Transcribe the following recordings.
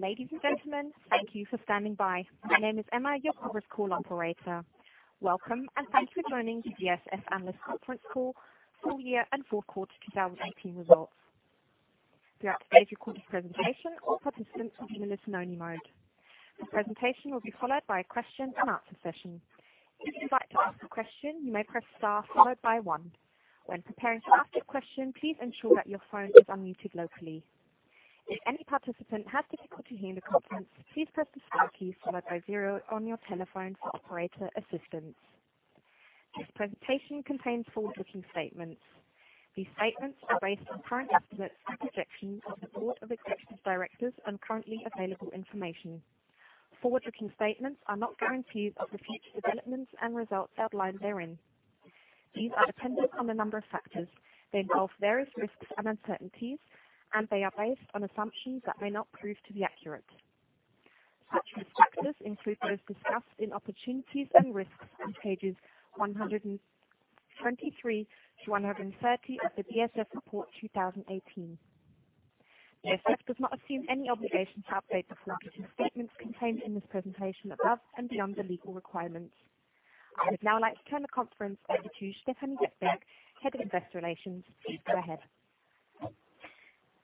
Ladies and gentlemen, thank you for standing by. My name is Emma, your conference call operator. Welcome, and thanks for joining BASF Analyst Conference Call, Full Year and Fourth Quarter 2018 Results. To activate your conference presentation, all participants will be in listen-only mode. The presentation will be followed by a question and answer session. If you would like to ask a question, you may press star followed by one. When preparing to ask a question, please ensure that your phone is unmuted locally. If any participant has difficulty hearing the conference, please press the star key followed by zero on your telephone for operator assistance. This presentation contains forward-looking statements. These statements are based on current estimates and projections of the Board of Executive Directors and currently available information. Forward-looking statements are not guarantees of the future developments and results outlined therein. These are dependent on a number of factors. They involve various risks and uncertainties. They are based on assumptions that may not prove to be accurate. Such risk factors include those discussed in opportunities and risks on pages 123 to 130 of the BASF Report 2018. BASF does not assume any obligation to update the forward-looking statements contained in this presentation above and beyond the legal requirements. I would now like to turn the conference over to Stefanie Wettberg, Head of Investor Relations. Please go ahead.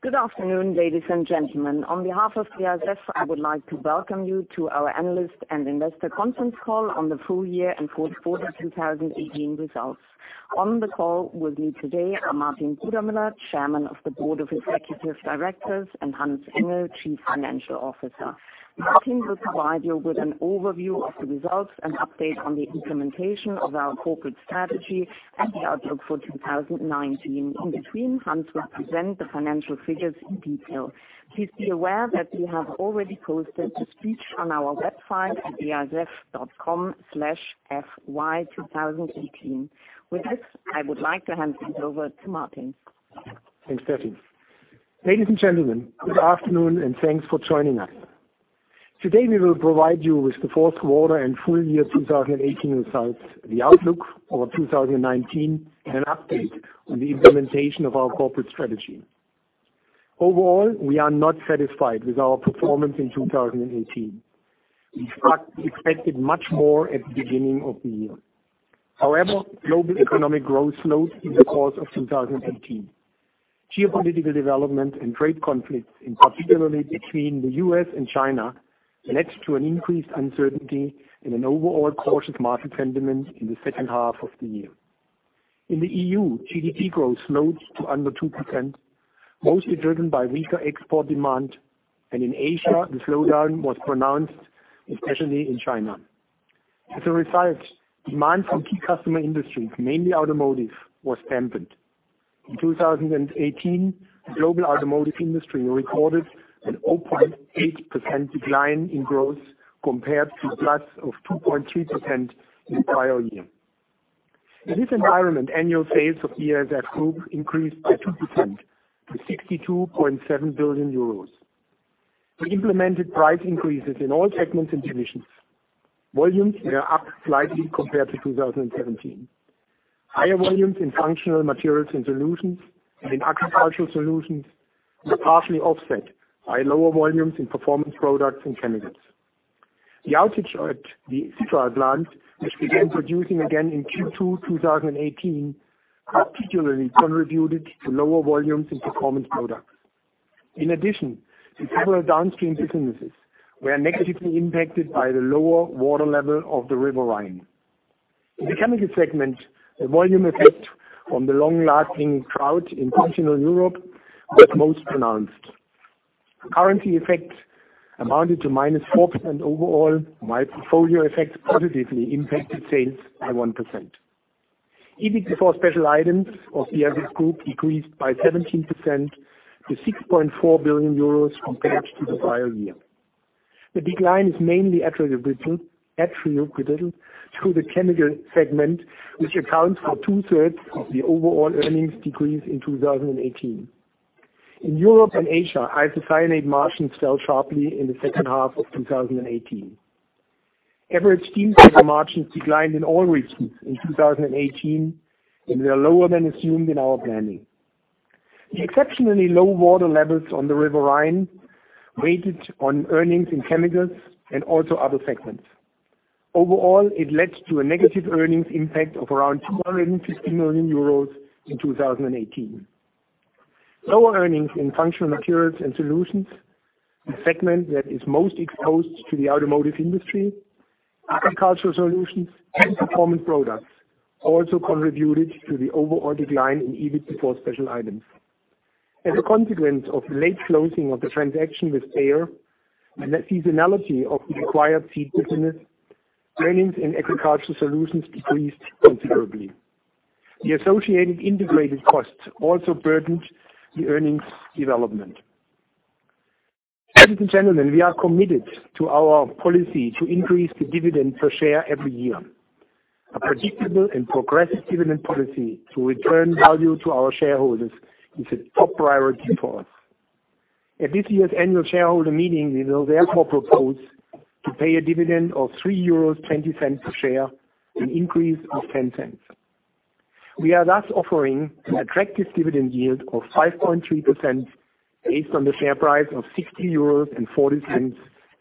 Good afternoon, ladies and gentlemen. On behalf of BASF, I would like to welcome you to our analyst and investor conference call on the Full Year and Fourth Quarter 2018 Results. On the call with me today are Martin Brudermüller, Chairman of the Board of Executive Directors, and Hans-Ulrich Engel, Chief Financial Officer. Martin will provide you with an overview of the results and update on the implementation of our corporate strategy and the outlook for 2019. In between, Hans will present the financial figures in detail. Please be aware that we have already posted the speech on our website at basf.com/fy2018. With this, I would like to hand things over to Martin. Thanks, Stefanie. Ladies and gentlemen, good afternoon. Thanks for joining us. Today, we will provide you with the Fourth Quarter and Full Year 2018 Results, the outlook for 2019, and an update on the implementation of our corporate strategy. Overall, we are not satisfied with our performance in 2018. In fact, we expected much more at the beginning of the year. Global economic growth slowed in the course of 2018. Geopolitical development and trade conflicts, in particular between the U.S. and China, led to an increased uncertainty and an overall cautious market sentiment in the second half of the year. In the EU, GDP growth slowed to under 2%, mostly driven by weaker export demand. In Asia, the slowdown was pronounced, especially in China. As a result, demand from key customer industries, mainly automotive, was dampened. In 2018, the global automotive industry recorded an 0.8% decline in growth compared to plus of 2.3% the entire year. In this environment, annual sales of BASF Group increased by 2% to 62.7 billion euros. We implemented price increases in all segments and divisions. Volumes were up slightly compared to 2017. Higher volumes in Functional Materials and Solutions and in Agricultural Solutions were partially offset by lower volumes in Performance Products and Chemicals. The outage at the Citral plant, which began producing again in Q2 2018, particularly contributed to lower volumes in Performance Products. In addition, the several downstream businesses were negatively impacted by the lower water level of the River Rhine. In the Chemicals segment, the volume effect from the long-lasting drought in continental Europe was most pronounced. Currency effects amounted to minus 4% overall, while portfolio effects positively impacted sales by 1%. EBIT before special items of BASF Group decreased by 17% to 6.4 billion euros compared to the prior year. The decline is mainly attributable to the Chemicals segment, which accounts for two-thirds of the overall earnings decrease in 2018. In Europe and Asia, isocyanate margins fell sharply in the second half of 2018. Average steam cracker margins declined in all regions in 2018, and they are lower than assumed in our planning. The exceptionally low water levels on the River Rhine weighted on earnings in Chemicals and also other segments. Overall, it led to a negative earnings impact of around 250 million euros in 2018. Lower earnings in Functional Materials and Solutions, the segment that is most exposed to the automotive industry, Agricultural Solutions, and Performance Products also contributed to the overall decline in EBIT before special items. As a consequence of the late closing of the transaction with Bayer and the seasonality of the acquired seed business, earnings in Agricultural Solutions decreased considerably. The associated integrated costs also burdened the earnings development. Ladies and gentlemen, we are committed to our policy to increase the dividend per share every year. A predictable and progressive dividend policy to return value to our shareholders is a top priority for us. At this year's annual shareholder meeting, we will therefore propose to pay a dividend of 3.20 euros per share, an increase of 0.10. We are thus offering an attractive dividend yield of 5.3% based on the share price of 16.40 euros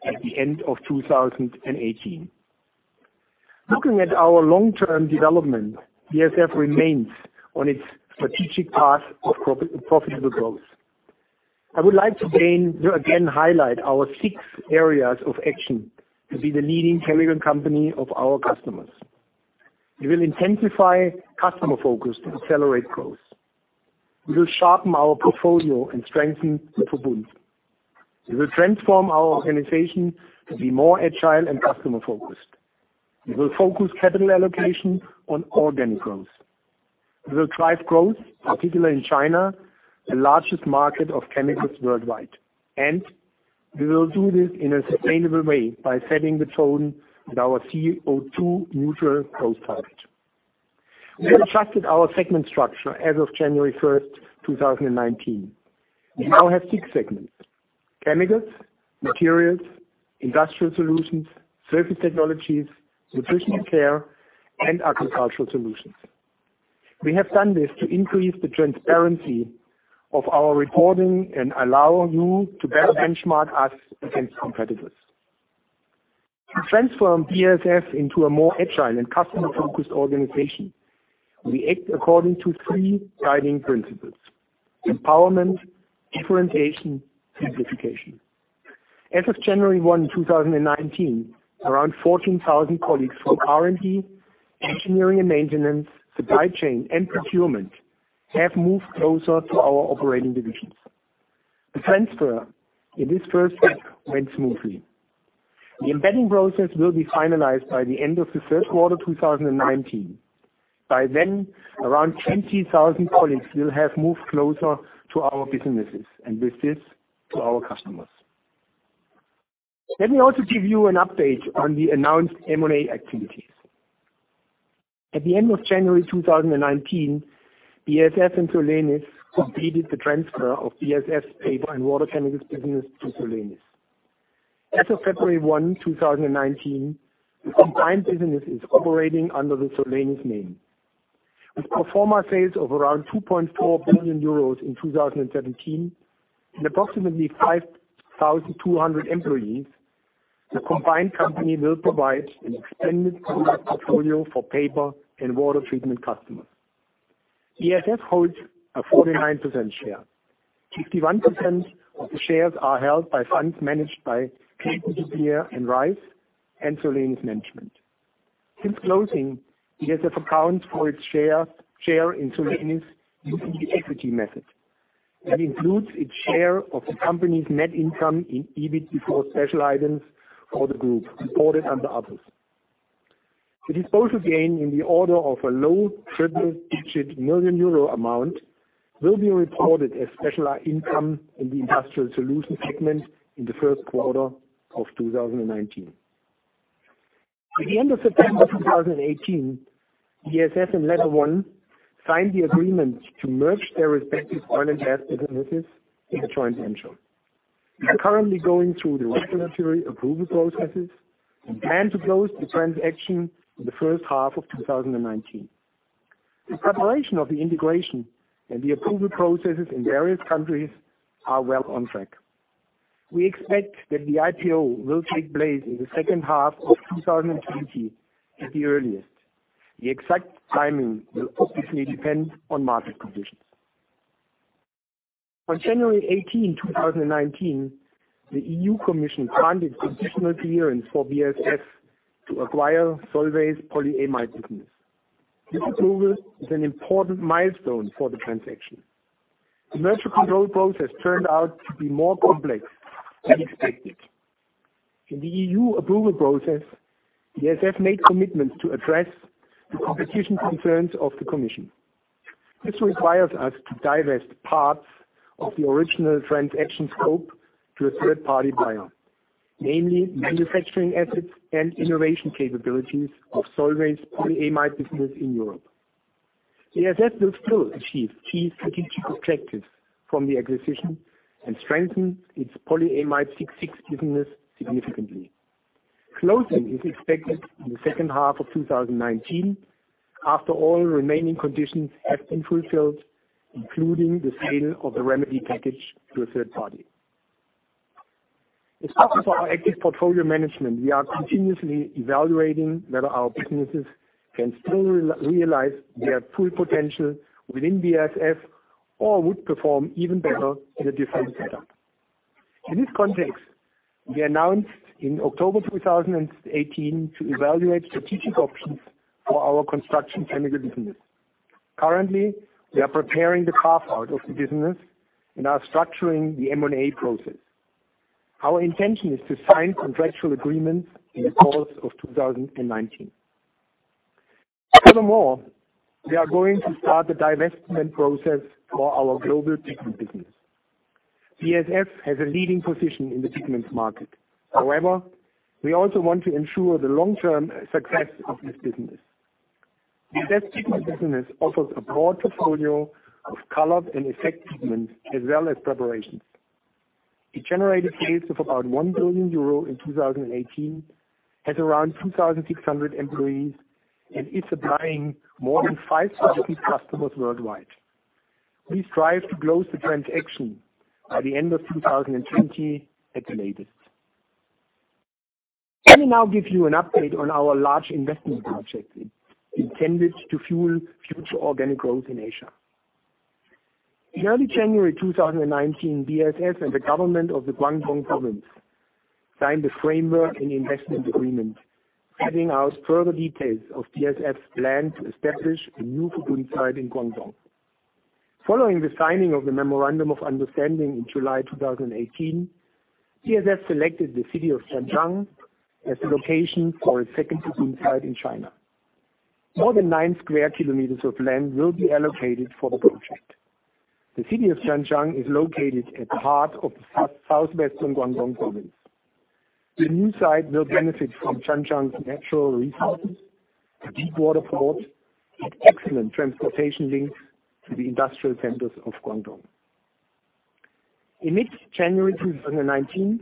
at the end of 2018. Looking at our long-term development, BASF remains on its strategic path of profitable growth. I would like to again highlight our six areas of action to be the leading chemical company of our customers. We will intensify customer focus to accelerate growth. We will sharpen our portfolio and strengthen the Verbund. We will transform our organization to be more agile and customer-focused. We will focus capital allocation on organic growth. We will drive growth, particularly in China, the largest market of chemicals worldwide, and we will do this in a sustainable way by setting the tone with our CO2-neutral growth target. We have adjusted our segment structure as of January 1st, 2019. We now have six segments: Chemicals, Materials, Industrial Solutions, Surface Technologies, Nutrition & Care, and Agricultural Solutions. We have done this to increase the transparency of our reporting and allow you to better benchmark us against competitors. To transform BASF into a more agile and customer-focused organization, we act according to three guiding principles: empowerment, differentiation, simplification. As of January 1, 2019, around 14,000 colleagues from R&D, engineering and maintenance, supply chain, and procurement have moved closer to our operating divisions. The transfer in this first week went smoothly. The embedding process will be finalized by the end of the third quarter 2019. By then, around 20,000 colleagues will have moved closer to our businesses, and with this, to our customers. Let me also give you an update on the announced M&A activities. At the end of January 2019, BASF and Solenis completed the transfer of BASF's paper and water chemicals business to Solenis. As of February 1, 2019, the combined business is operating under the Solenis name. With pro forma sales of around 2.4 billion euros in 2017 and approximately 5,200 employees, the combined company will provide an extended product portfolio for paper and water treatment customers. BASF holds a 49% share. 51% of the shares are held by funds managed by Clayton, Dubilier & Rice and Solenis management. Since closing, BASF accounts for its share in Solenis using the equity method. That includes its share of the company's net income in EBIT before special items for the group reported under others. The disposal gain in the order of a low triple-digit million EUR amount will be reported as specialized income in the Industrial Solutions segment in the first quarter of 2019. At the end of September 2018, BASF and LetterOne signed the agreement to merge their respective oil and gas businesses in a joint venture. We're currently going through the regulatory approval processes and plan to close the transaction in the first half of 2019. The preparation of the integration and the approval processes in various countries are well on track. We expect that the IPO will take place in the second half of 2020 at the earliest. The exact timing will obviously depend on market conditions. On January 18, 2019, the EU Commission granted conditional clearance for BASF to acquire Solvay's polyamide business. This approval is an important milestone for the transaction. The merger control process turned out to be more complex than expected. In the EU approval process, BASF made commitments to address the competition concerns of the Commission. This required us to divest parts of the original transaction scope to a third-party buyer, namely manufacturing assets and innovation capabilities of Solvay's polyamide business in Europe. BASF will still achieve key strategic objectives from the acquisition and strengthen its polyamide 6,6 business significantly. Closing is expected in the second half of 2019, after all remaining conditions have been fulfilled, including the sale of the remedy package to a third party. As part of our active portfolio management, we are continuously evaluating whether our businesses can still realize their full potential within BASF or would perform even better in a different setup. In this context, we announced in October 2018 to evaluate strategic options for our construction chemical business. Currently, we are preparing the carve-out of the business and are structuring the M&A process. Our intention is to sign contractual agreements in the course of 2019. Furthermore, we are going to start the divestment process for our global pigment business. BASF has a leading position in the pigments market. However, we also want to ensure the long-term success of this business. The BASF pigment business offers a broad portfolio of color and effect pigments, as well as preparations. It generated sales of about 1 billion euro in 2018, has around 2,600 employees, and is supplying more than 500 customers worldwide. We strive to close the transaction by the end of 2020 at the latest. Let me now give you an update on our large investment project intended to fuel future organic growth in Asia. In early January 2019, BASF and the government of the Guangdong province signed a framework and investment agreement, setting out further details of BASF's plan to establish a new Verbund site in Guangdong. Following the signing of the memorandum of understanding in July 2018, BASF selected the city of Zhanjiang as the location for a second Verbund site in China. More than 9 square kilometers of land will be allocated for the project. The city of Zhanjiang is located at the heart of the southwestern Guangdong province. The new site will benefit from Zhanjiang's natural resources, a deep water port, and excellent transportation links to the industrial centers of Guangdong. In mid-January 2019,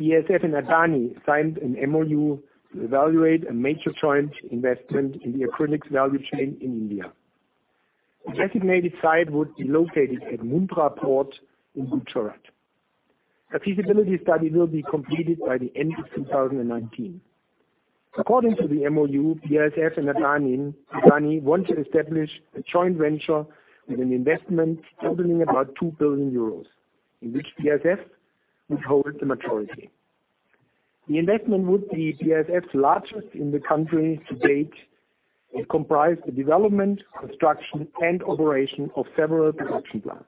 BASF and Adani signed an MoU to evaluate a major joint investment in the acrylics value chain in India. The designated site would be located at Mundra Port in Gujarat. A feasibility study will be completed by the end of 2019. According to the MoU, BASF and Adani want to establish a joint venture with an investment totaling about 2 billion euros, in which BASF would hold the majority. The investment would be BASF's largest in the country to date. It comprised the development, construction, and operation of several production plants.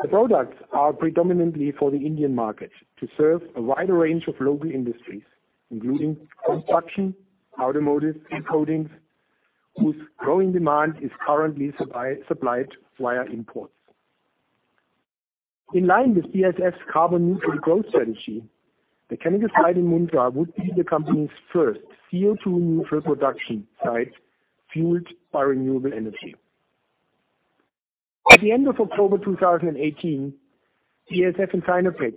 The products are predominantly for the Indian market to serve a wider range of local industries, including construction, automotive, and coatings, whose growing demand is currently supplied via imports. In line with BASF's carbon-neutral growth strategy, the chemical site in Mundra would be the company's first CO2-neutral production site fueled by renewable energy. At the end of October 2018, BASF and Sinopec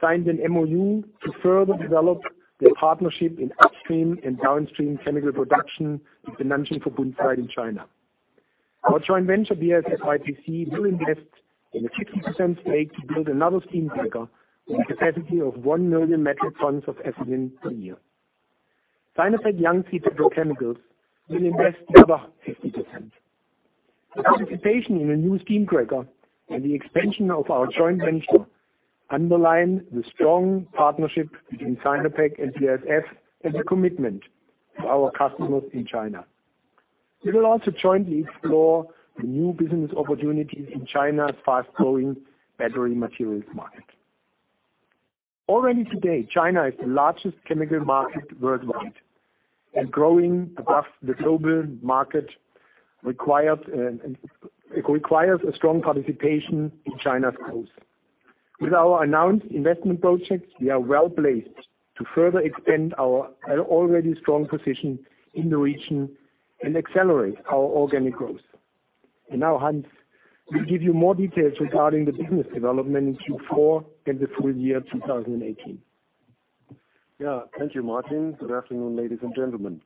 signed an MoU to further develop their partnership in upstream and downstream chemical production at the Nanjing joint site in China. Our joint venture, BASF-YPC, will invest in a 50% stake to build another steam cracker with a capacity of 1 million metric tons of ethylene per year. Sinopec Yangzi Petrochemical will invest the other 50%. The participation in a new steam cracker and the expansion of our joint venture underline the strong partnership between Sinopec and BASF as a commitment to our customers in China. We will also jointly explore the new business opportunities in China's fast-growing battery materials market. Already today, China is the largest chemical market worldwide, and growing above the global market requires a strong participation in China's growth. With our announced investment projects, we are well-placed to further extend our already strong position in the region and accelerate our organic growth. Now, Hans will give you more details regarding the business development in Q4 and the full year 2018. Yeah. Thank you, Martin. Good afternoon, ladies and gentlemen.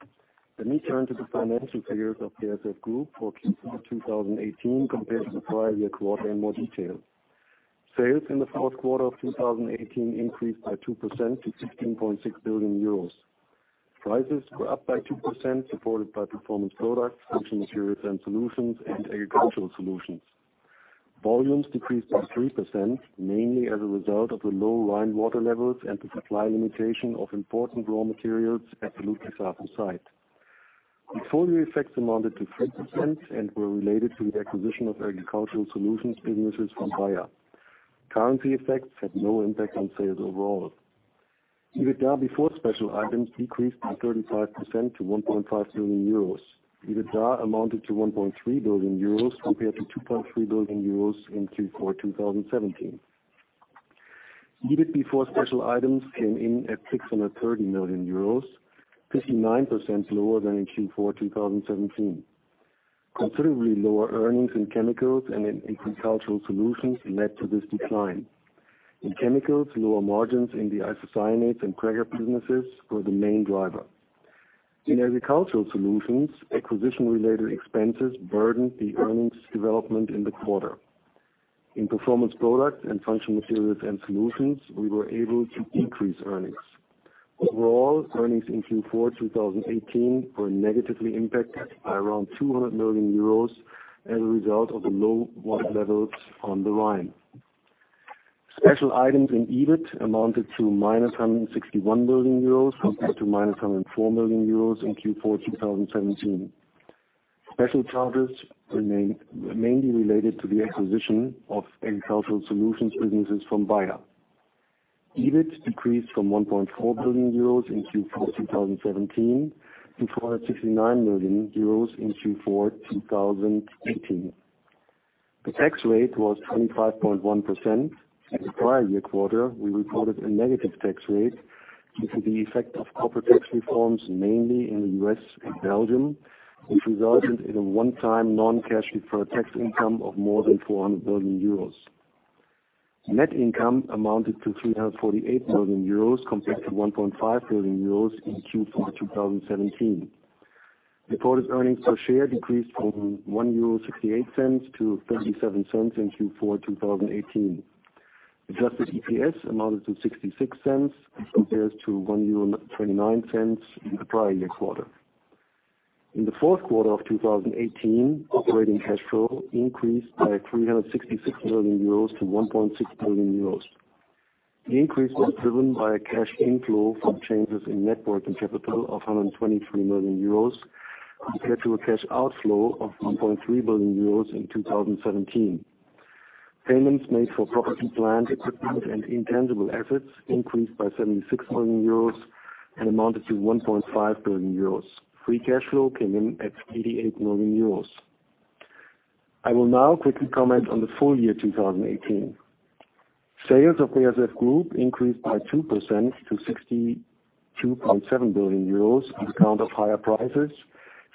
Let me turn to the financial figures of BASF Group for Q4 2018 compared to the prior year quarter in more detail. Sales in the fourth quarter of 2018 increased by 2% to 16.6 billion euros. Prices were up by 2%, supported by Performance Products, Functional Materials and Solutions, and Agricultural Solutions. Volumes decreased by 3%, mainly as a result of the low Rhine water levels and the supply limitation of important raw materials at Ludwigshafen site. Portfolio effects amounted to 3% and were related to the acquisition of Agricultural Solutions businesses from Bayer. Currency effects had no impact on sales overall. EBITDA before special items decreased by 35% to 1.5 billion euros. EBITDA amounted to 1.3 billion euros compared to 2.3 billion euros in Q4 2017. EBIT before special items came in at 630 million euros, 59% lower than in Q4 2017. Considerably lower earnings in Chemicals and in Agricultural Solutions led to this decline. In Chemicals, lower margins in the isocyanates and cracker businesses were the main driver. In Agricultural Solutions, acquisition-related expenses burdened the earnings development in the quarter. In Performance Products and Functional Materials and Solutions, we were able to increase earnings. Overall, earnings in Q4 2018 were negatively impacted by around 200 million euros as a result of the low water levels on the Rhine. Special items in EBIT amounted to minus 161 million euros compared to minus 104 million euros in Q4 2017. Special charges were mainly related to the acquisition of Agricultural Solutions businesses from Bayer. EBIT decreased from 1.4 billion euros in Q4 2017 to 469 million euros in Q4 2018. The tax rate was 25.1%. In the prior year quarter, we reported a negative tax rate due to the effect of corporate tax reforms, mainly in the U.S. and Belgium, which resulted in a one-time non-cash deferred tax income of more than 400 million euros. Net income amounted to 348 million euros compared to 1.5 billion euros in Q4 2017. Reported earnings per share decreased from 1.68 euro to 0.37 in Q4 2018. Adjusted EPS amounted to 0.66, which compares to 1.29 euro in the prior year quarter. In the fourth quarter of 2018, operating cash flow increased by 366 million euros to 1.6 billion euros. The increase was driven by a cash inflow from changes in net working capital of 123 million euros, compared to a cash outflow of 1.3 billion euros in 2017. Payments made for property, plant equipment and intangible assets increased by 76 million euros and amounted to 1.5 billion euros. Free cash flow came in at 88 million euros. I will now quickly comment on the full year 2018. Sales of BASF Group increased by 2% to 62.7 billion euros on account of higher prices,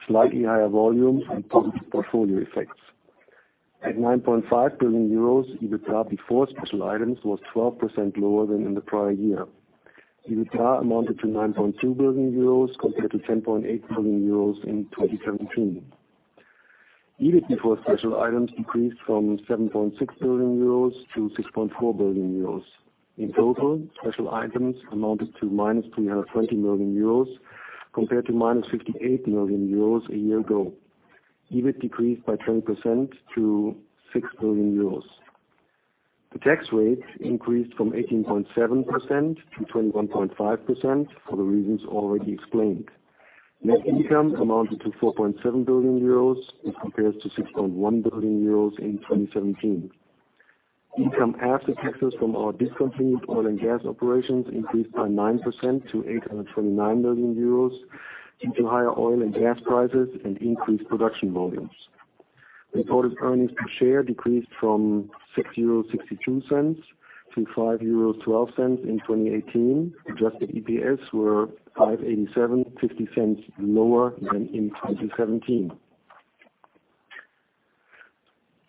slightly higher volumes and positive portfolio effects. At 9.5 billion euros, EBITDA before special items was 12% lower than in the prior year. EBITDA amounted to 9.2 billion euros compared to 10.8 billion euros in 2017. EBIT before special items decreased from 7.6 billion euros to 6.4 billion euros. In total, special items amounted to minus 320 million euros compared to minus 58 million euros a year ago. EBIT decreased by 20% to 6 billion euros. The tax rate increased from 18.7% to 21.5% for the reasons already explained. Net income amounted to 4.7 billion euros, which compares to 6.1 billion euros in 2017. Income after taxes from our discontinued oil and gas operations increased by 9% to 829 million euros due to higher oil and gas prices and increased production volumes. Reported earnings per share decreased from €6.62 to €5.12 in 2018. Adjusted EPS were €5.87, EUR 0.50 lower than in 2017.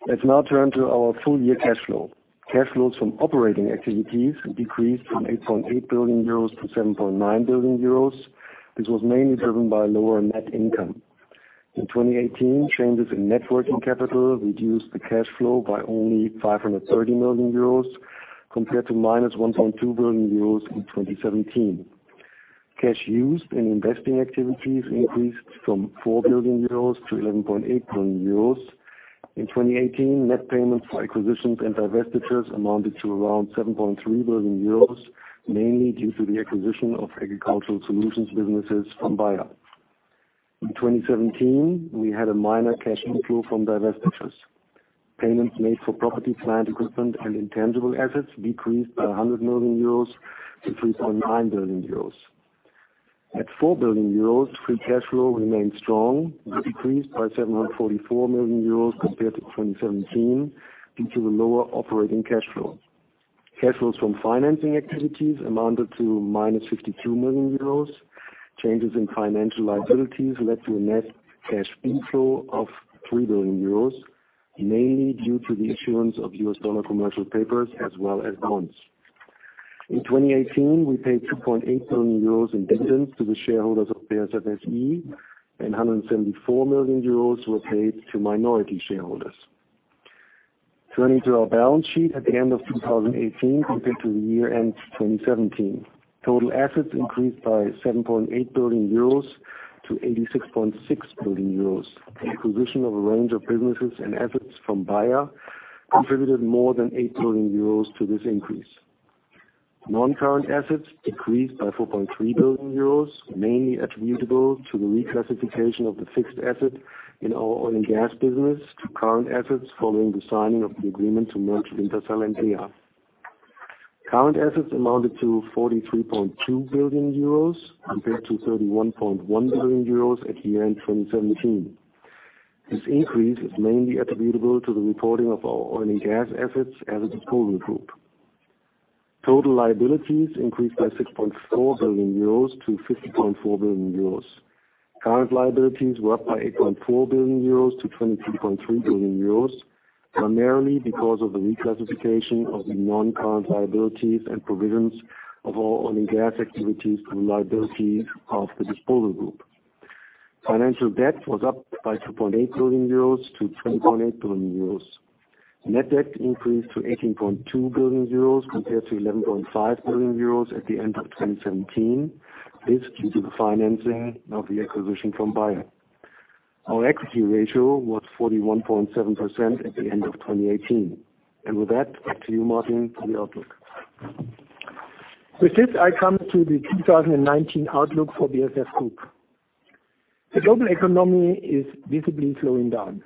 Let's now turn to our full-year cash flow. Cash flows from operating activities decreased from €8.8 billion to €7.9 billion. This was mainly driven by lower net income. In 2018, changes in net working capital reduced the cash flow by only €530 million, compared to minus €1.2 billion in 2017. Cash used in investing activities increased from €4 billion to €11.8 billion. In 2018, net payments for acquisitions and divestitures amounted to around €7.3 billion, mainly due to the acquisition of Agricultural Solutions businesses from Bayer. In 2017, we had a minor cash inflow from divestitures. Payments made for property, plant equipment and intangible assets decreased by €100 million to €3.9 billion. At €4 billion, free cash flow remained strong, but decreased by €744 million compared to 2017 due to the lower operating cash flow. Cash flows from financing activities amounted to minus €52 million. Changes in financial liabilities led to a net cash inflow of €3 billion, mainly due to the issuance of US dollar commercial papers as well as bonds. In 2018, we paid €2.8 billion in dividends to the shareholders of BASF SE, and €174 million were paid to minority shareholders. Turning to our balance sheet at the end of 2018 compared to the year-end 2017. Total assets increased by €7.8 billion to €86.6 billion. The acquisition of a range of businesses and assets from Bayer contributed more than €8 billion to this increase. Non-current assets decreased by €4.3 billion, mainly attributable to the reclassification of the fixed asset in our oil and gas business to current assets following the signing of the agreement to merge Wintershall and DEA. Current assets amounted to €43.2 billion compared to €31.1 billion at year-end 2017. This increase is mainly attributable to the reporting of our oil and gas assets as a disposal group. Total liabilities increased by €6.4 billion to €50.4 billion. Current liabilities were up by €8.4 billion to €23.3 billion, primarily because of the reclassification of the non-current liabilities and provisions of our oil and gas activities to the liability of the disposal group. Financial debt was up by €2.8 billion to €20.8 billion. Net debt increased to €18.2 billion compared to €11.5 billion at the end of 2017. This due to the financing of the acquisition from Bayer. Our equity ratio was 41.7% at the end of 2018. With that, back to you, Martin, for the outlook. With this, I come to the 2019 outlook for BASF Group. The global economy is visibly slowing down.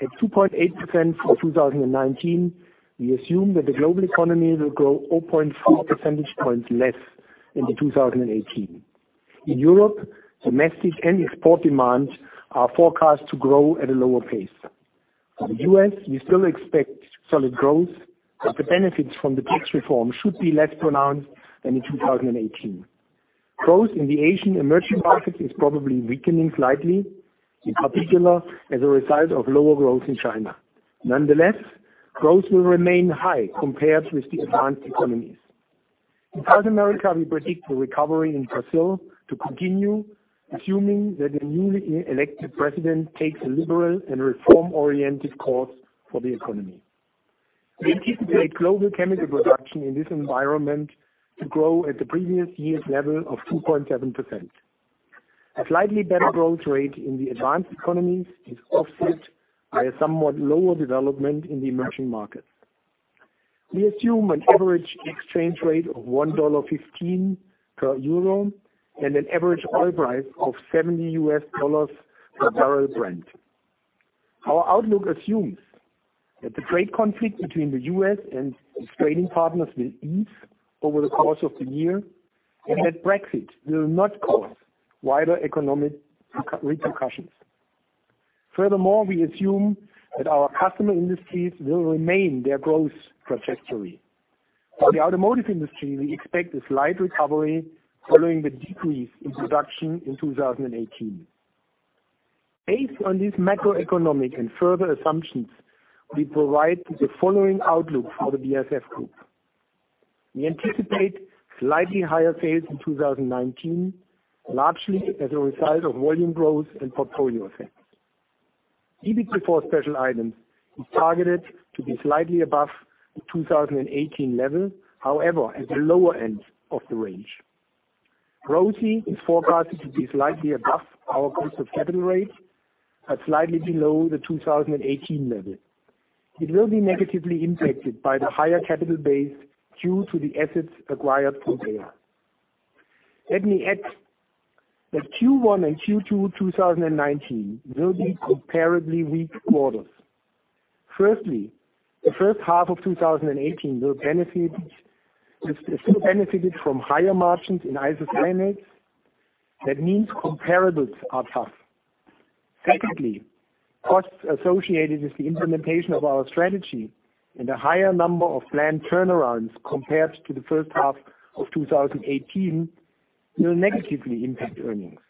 At 2.8% for 2019, we assume that the global economy will grow 0.4 percentage points less than 2018. In Europe, domestic and export demands are forecast to grow at a lower pace. For the U.S., we still expect solid growth, but the benefits from the tax reform should be less pronounced than in 2018. Growth in the Asian emerging markets is probably weakening slightly, in particular, as a result of lower growth in China. Nonetheless, growth will remain high compared with the advanced economies. In South America, we predict the recovery in Brazil to continue, assuming that the newly elected president takes a liberal and reform-oriented course for the economy. We anticipate global chemical production in this environment to grow at the previous year's level of 2.7%. A slightly better growth rate in the advanced economies is offset by a somewhat lower development in the emerging markets. We assume an average exchange rate of $1.15 per euro and an average oil price of $70 per barrel Brent. Our outlook assumes that the trade conflict between the U.S. and its trading partners will ease over the course of the year, and that Brexit will not cause wider economic repercussions. We assume that our customer industries will remain their growth trajectory. For the automotive industry, we expect a slight recovery following the decrease in production in 2018. Based on this macroeconomic and further assumptions, we provide the following outlook for the BASF Group. We anticipate slightly higher sales in 2019, largely as a result of volume growth and portfolio effects. EBIT before special items is targeted to be slightly above the 2018 level, however, at the lower end of the range. ROACE is forecasted to be slightly above our cost of capital rate, but slightly below the 2018 level. It will be negatively impacted by the higher capital base due to the assets acquired from Bayer. Let me add that Q1 and Q2 2019 will be comparably weak quarters. The first half of 2018 still benefited from higher margins in isocyanates. That means comparables are tough. Costs associated with the implementation of our strategy and a higher number of planned turnarounds compared to the first half of 2018 will negatively impact earnings.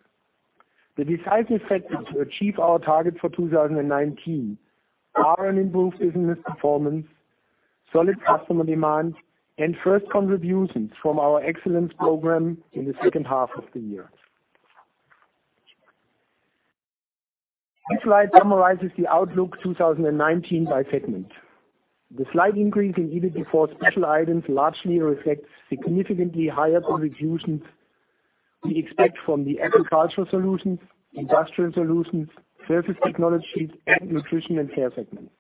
The decisive factor to achieve our target for 2019 are an improved business performance, solid customer demand, and first contributions from our Excellence Program in the second half of the year. This slide summarizes the outlook 2019 by segment. The slight increase in EBIT before special items largely reflects significantly higher contributions we expect from the Agricultural Solutions, Industrial Solutions, Surface Technologies, and Nutrition & Care segments.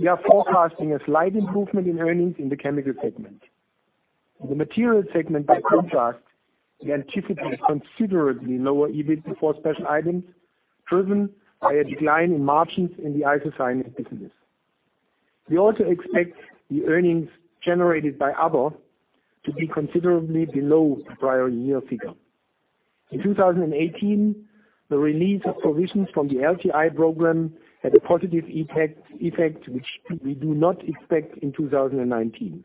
We are forecasting a slight improvement in earnings in the Chemicals segment. In the Materials segment, by contrast, we anticipate considerably lower EBIT before special items, driven by a decline in margins in the isocyanates business. We also expect the earnings generated by other to be considerably below the prior year figure. In 2018, the release of provisions from the LTI program had a positive effect, which we do not expect in 2019.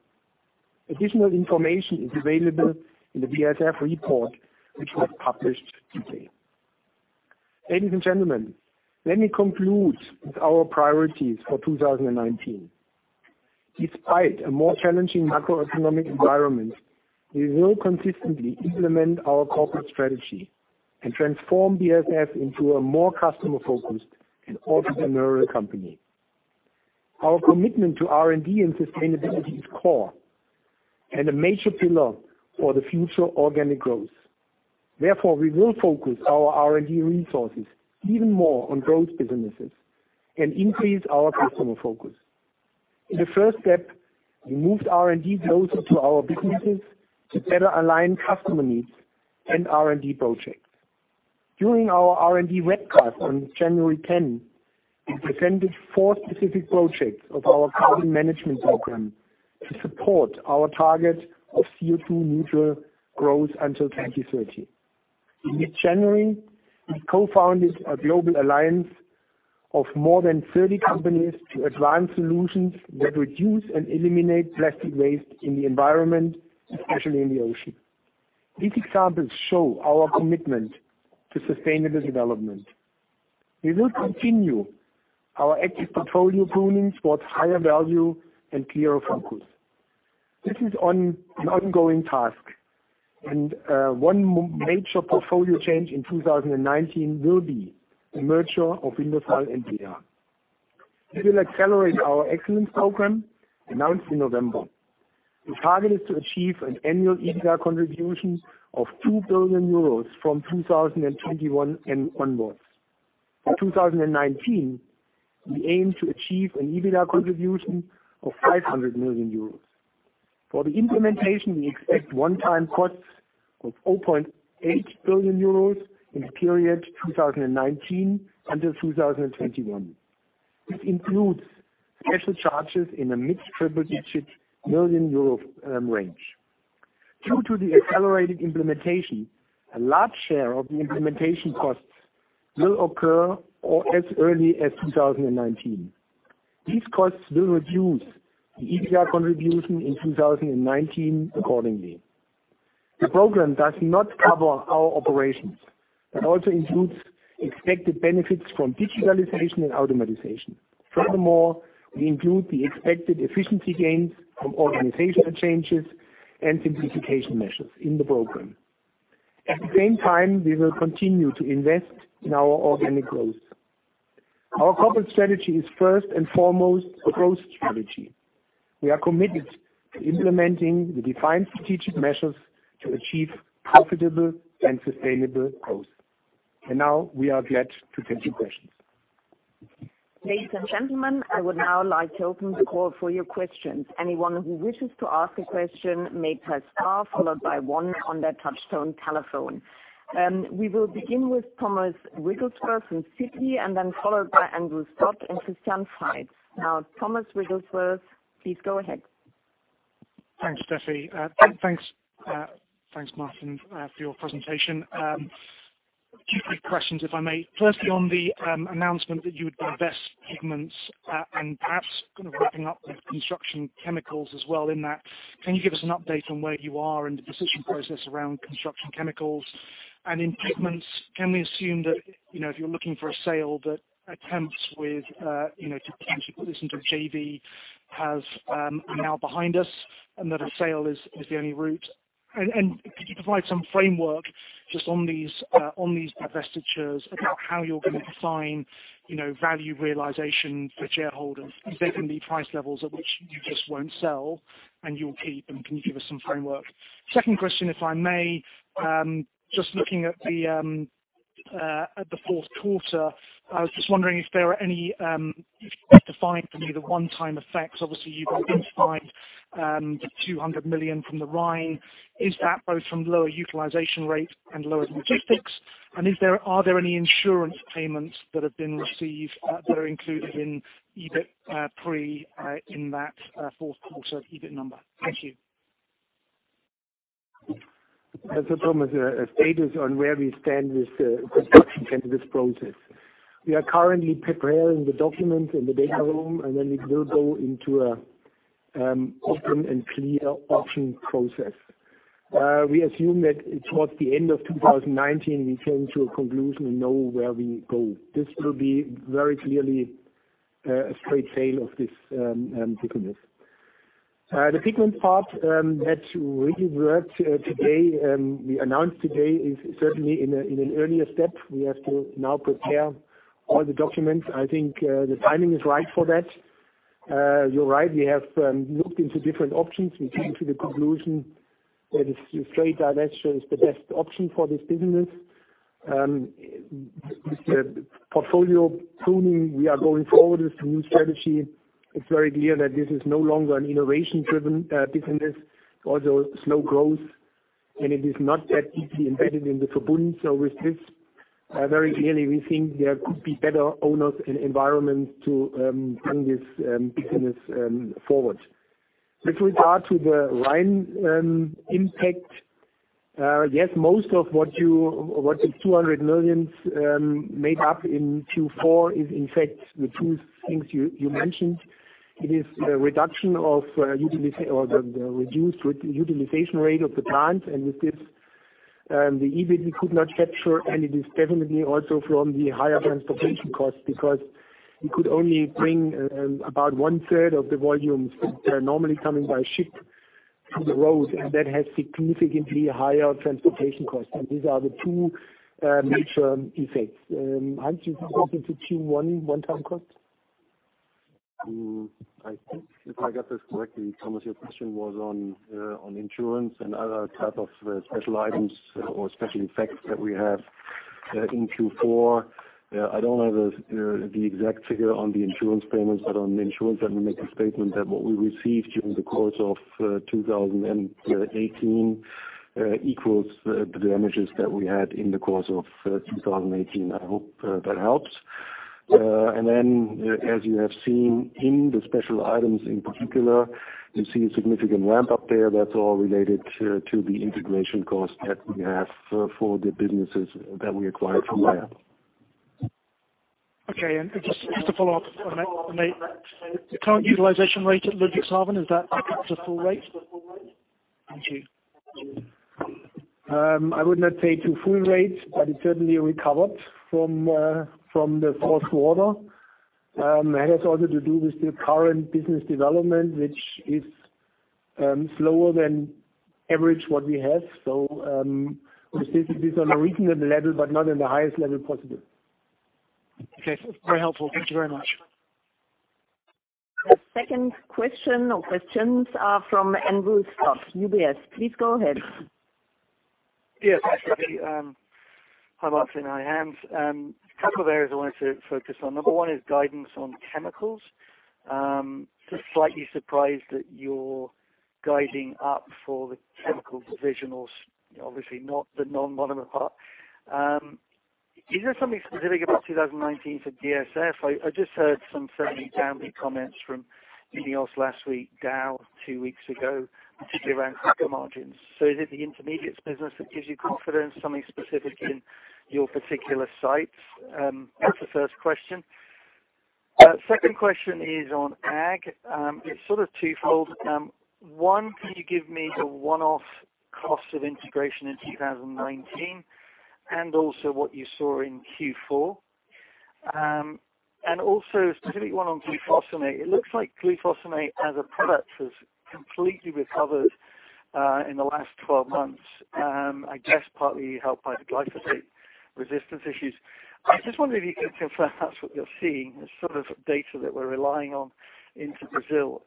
Additional information is available in the BASF Report, which was published today. Ladies and gentlemen, let me conclude with our priorities for 2019. Despite a more challenging macroeconomic environment, we will consistently implement our corporate strategy and transform BASF into a more customer-focused and entrepreneurial company. Our commitment to R&D and sustainability is core and a major pillar for the future organic growth. Therefore, we will focus our R&D resources even more on growth businesses and increase our customer focus. In the first step, we moved R&D closer to our businesses to better align customer needs and R&D projects. During our R&D Webcast on January 10, we presented four specific projects of our carbon management program to support our target of CO2 neutral growth until 2030. In mid-January, we co-founded a global alliance of more than 30 companies to advance solutions that reduce and eliminate plastic waste in the environment, especially in the ocean. These examples show our commitment to sustainable development. We will continue our active portfolio pruning towards higher value and clearer focus. One major portfolio change in 2019 will be the merger of Wintershall and DEA. We will accelerate our Excellence Program announced in November. The target is to achieve an annual EBITDA contribution of 2 billion euros from 2021 onwards. In 2019, we aim to achieve an EBITDA contribution of 500 million euros. For the implementation, we expect one-time costs of 0.8 billion euros in the period 2019 until 2021. This includes special charges in a mid-triple digit million EUR range. Due to the accelerated implementation, a large share of the implementation costs will occur as early as 2019. These costs will reduce the EBITDA contribution in 2019 accordingly. The program does not cover our operations, but also includes expected benefits from digitalization and automation. We include the expected efficiency gains from organizational changes and simplification measures in the program. We will continue to invest in our organic growth. Our corporate strategy is first and foremost a growth strategy. We are committed to implementing the defined strategic measures to achieve profitable and sustainable growth. Now we are glad to take your questions. Ladies and gentlemen, I would now like to open the call for your questions. Anyone who wishes to ask a question may press star followed by one on their touchtone telephone. We will begin with Thomas Wrigglesworth in Citi, followed by Andrew Scott and Christian Faitz. Thomas Wrigglesworth, please go ahead. Thanks, Stefanie. Thanks, Martin, for your presentation. A few quick questions if I may. Firstly, on the announcement that you would divest Pigments and perhaps kind of wrapping up the Construction Chemicals as well in that, can you give us an update on where you are in the decision process around Construction Chemicals? In Pigments, can we assume that if you're looking for a sale that attempts with potential to listen to a JV have been now behind us and that a sale is the only route? Could you provide some framework just on these divestitures about how you're going to define value realization for shareholders? There can be price levels at which you just won't sell, and you'll keep, and can you give us some framework? Second question, if I may. Just looking at the fourth quarter, I was just wondering if you could define for me the one-time effects. Obviously, you've identified the 200 million from the Rhine. Is that both from lower utilization rate and lower logistics? Are there any insurance payments that have been received that are included in EBIT pre, in that fourth quarter EBIT number? Thank you. Thomas, status on where we stand with the Construction Chemicals process. We are currently preparing the documents in the data room, and then we will go into an open and clear auction process. We assume that towards the end of 2019, we came to a conclusion and know where we go. This will be very clearly a straight sale of this business. The Pigment part that we announced today is certainly in an earlier step. We have to now prepare all the documents. I think the timing is right for that. You're right, we have looked into different options. We came to the conclusion that a straight divestiture is the best option for this business. With the portfolio pruning, we are going forward with the new strategy. It's very clear that this is no longer an innovation-driven business, although slow growth, and it is not that deeply embedded in the Verbund. With this, very clearly we think there could be better owners and environments to bring this business forward. With regard to the Rhine impact, yes, most of what the 200 million made up in Q4 is in fact the two things you mentioned. It is the reduced utilization rate of the plant and with this, the EBIT we could not capture and it is definitely also from the higher transportation costs because we could only bring about one-third of the volumes that are normally coming by ship to the road and that has significantly higher transportation costs. These are the two major effects. Hans, you want to add to Q1 one-time cost? I think if I got this correctly, Thomas, your question was on insurance and other type of special items or special effects that we have in Q4. I don't have the exact figure on the insurance payments, but on insurance, let me make a statement that what we received during the course of 2018 equals the damages that we had in the course of 2018. I hope that helps. Then, as you have seen in the special items in particular, you see a significant ramp-up there that's all related to the integration costs that we have for the businesses that we acquired from Bayer. Okay, just to follow up on that. The current utilization rate at Ludwigshafen, is that back up to full rate? Thank you. I would not say to full rate, but it certainly recovered from the fourth quarter. That has also to do with the current business development, which is slower than average what we have. We are still at a reasonable level, but not in the highest level possible. Okay. Very helpful. Thank you very much. The second question or questions are from Andrew Scott, UBS. Please go ahead. Yes, absolutely. Hi, Martin. Hi, Hans. A couple of areas I wanted to focus on. Number 1 is guidance on Chemicals. Just slightly surprised that you're guiding up for the chemical division, obviously not the non-monomer part. Is there something specific about 2019 for BASF? I just heard some fairly downbeat comments from INEOS last week, Dow two weeks ago, particularly around cracker margins. Is it the intermediates business that gives you confidence, something specific in your particular sites? That's the first question. Second question is on ag. It's sort of twofold. One, can you give me the one-off cost of integration in 2019, and also what you saw in Q4? And also a specific one on glufosinate. It looks like glufosinate as a product has completely recovered in the last 12 months, I guess partly helped by the glyphosate resistance issues. I just wonder if you can confirm that's what you're seeing, the sort of data that we're relying on into Brazil.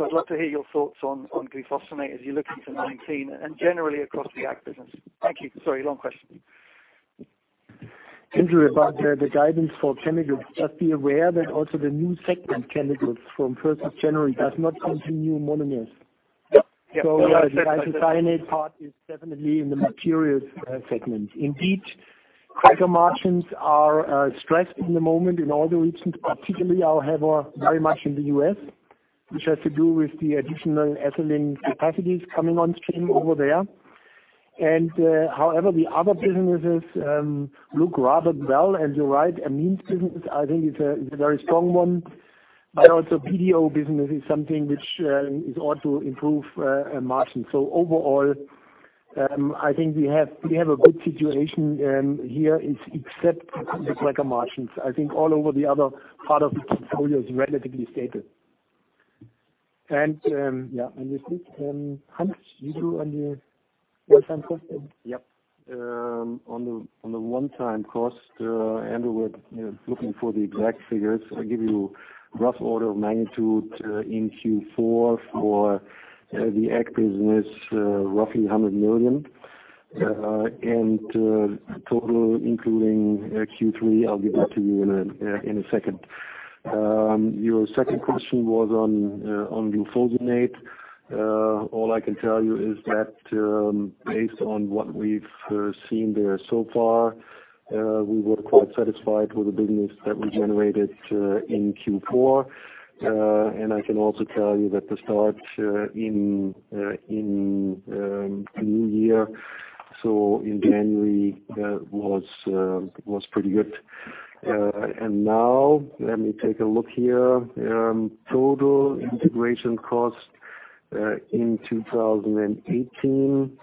I'd love to hear your thoughts on glufosinate as you look into 2019 and generally across the ag business. Thank you. Sorry, long question. Andrew, about the guidance for Chemicals, just be aware that also the new segment Chemicals from 1st of January does not contain new monomers. The isocyanate part is definitely in the Materials segment. Indeed, cracker margins are stressed in the moment in all the regions, particularly I have very much in the U.S., which has to do with the additional ethylene capacities coming on stream over there. However, the other businesses look rather well, and you're right, amines business, I think is a very strong one, but also BDO business is something which is ought to improve margins. Overall, I think we have a good situation here except the cracker margins. I think all over the other part of the portfolio is relatively stable. Yeah, Hans, you do on the one-time cost then. Yep. On the one-time cost, Andrew, we are looking for the exact figures. I will give you rough order of magnitude in Q4 for the ag business, roughly 100 million. Total, including Q3, I will give that to you in a second. Your second question was on glufosinate. All I can tell you is that based on what we have seen there so far, we were quite satisfied with the business that we generated in Q4. I can also tell you that the start in the new year, so in January, was pretty good. Now let me take a look here. Total integration cost in 2018,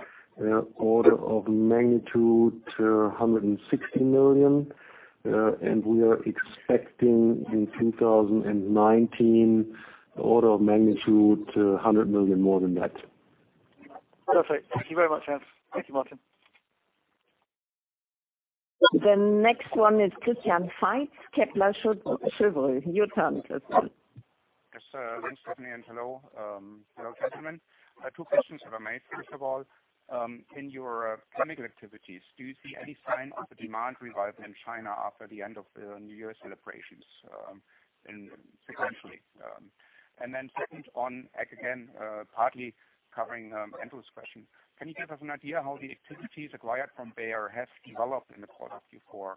order of magnitude, 160 million, and we are expecting in 2019 order of magnitude 100 million more than that. Perfect. Thank you very much, Hans. Thank you, Martin. The next one is Christian Faitz, Kepler Cheuvreux. Your turn, Christian. Yes. Thanks, Stefanie, and hello. Hello, gentlemen. Two questions if I may. First of all, in your chemical activities, do you see any sign of the demand revival in China after the end of the Chinese New Year celebrations sequentially? Second on ag again, partly covering Andrew's question, can you give us an idea how the activities acquired from Bayer have developed in the quarter Q4?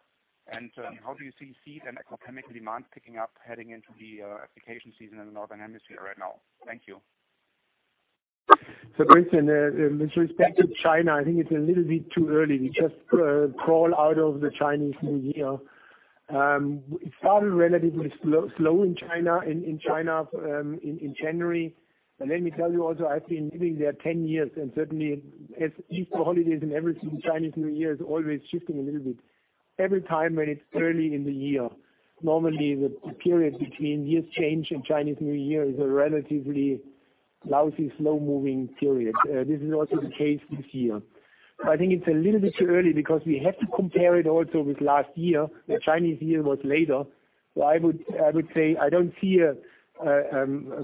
How do you see then ag chemical demand picking up heading into the application season in the northern hemisphere right now? Thank you. Christian, with respect to China, I think it's a little bit too early. We just crawled out of the Chinese New Year. It started relatively slow in China, in January. Let me tell you also, I've been living there 10 years and certainly as Easter holidays and everything, Chinese New Year is always shifting a little bit every time when it's early in the year. Normally, the period between year's change and Chinese New Year is a relatively lousy, slow-moving period. This is also the case this year. I think it's a little bit too early because we have to compare it also with last year. The Chinese New Year was later. I would say I don't see a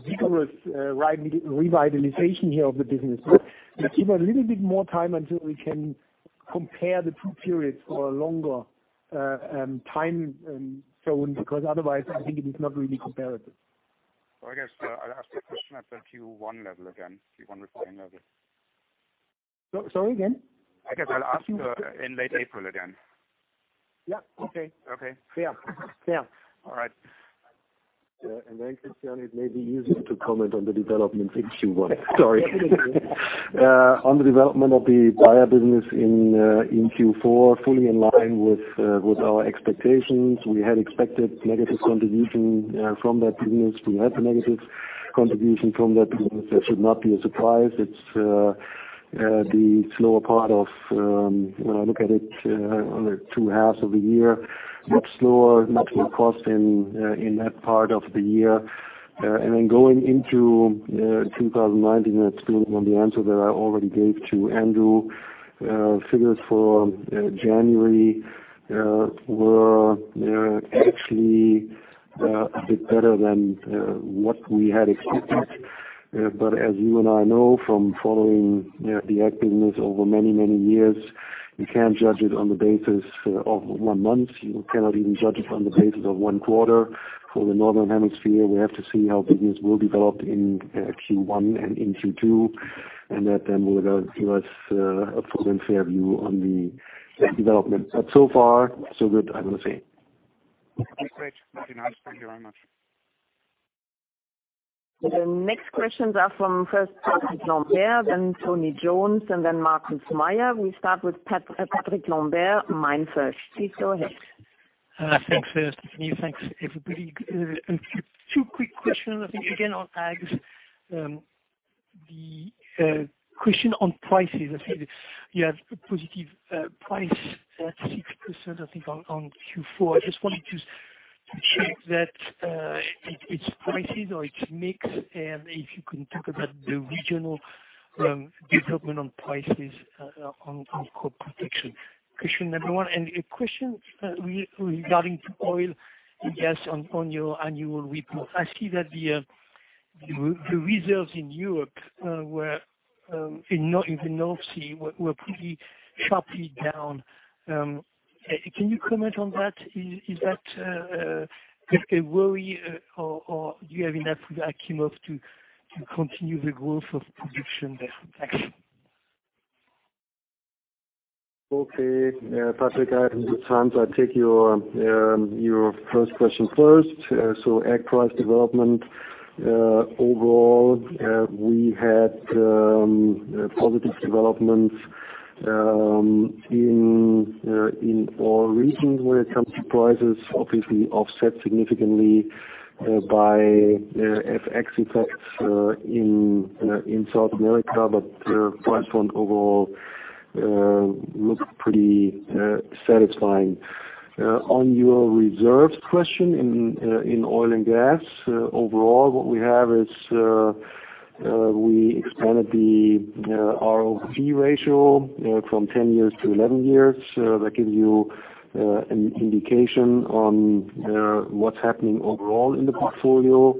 vigorous revitalization here of the business. We give a little bit more time until we can compare the two periods for a longer time zone, because otherwise I think it is not really comparable. Well, I guess I'll ask the question at the Q1 level again. Q1 refining level. Sorry, again? I guess I'll ask in late April again. Yeah. Okay. Fair. All right. Yeah. Christian, it may be easier to comment on the developments in Q1. Sorry. On the development of the Bayer business in Q4, fully in line with our expectations. We had expected negative contribution from that business. We had the negative contribution from that business. That should not be a surprise. It's the slower part of, when I look at it on the two halves of the year, much slower marginal cost in that part of the year. Going into 2019, that's building on the answer that I already gave to Andrew. Figures for January were actually a bit better than what we had expected. As you and I know from following the ag business over many, many years, you can't judge it on the basis of one month. You cannot even judge it on the basis of one quarter. For the Northern Hemisphere, we have to see how business will develop in Q1 and in Q2. That then will give us a full and fair view on the development. So far, so good, I want to say. Great. That's been asked. Thank you very much. The next questions are from first Patrick Lambert, then Tony Jones, then Markus Mayer. We start with Patrick Lambert, MainFirst. Please go ahead. Thanks, Stefanie. Thanks, everybody. Two quick questions, I think again on ags. The question on prices, I see that you have a positive price at 6%, I think, on Q4. I just wanted to check that it's prices or it's mix, and if you can talk about the regional development on prices on crop protection. Question number one. A question regarding to oil and gas on your annual report. I see that the reserves in Europe were in the North Sea, were pretty sharply down. Can you comment on that? Is that a worry or do you have enough acreage to continue the growth of production there? Thanks. Okay. Patrick, I have good times. I'll take your first question first. Ag price development. Overall, we had positive developments in all regions when it comes to prices, obviously offset significantly by FX effects in South America, price point overall looked pretty satisfying. On your reserves question in oil and gas, overall what we have is we expanded the R/P ratio from 10 years to 11 years. That gives you an indication on what's happening overall in the portfolio.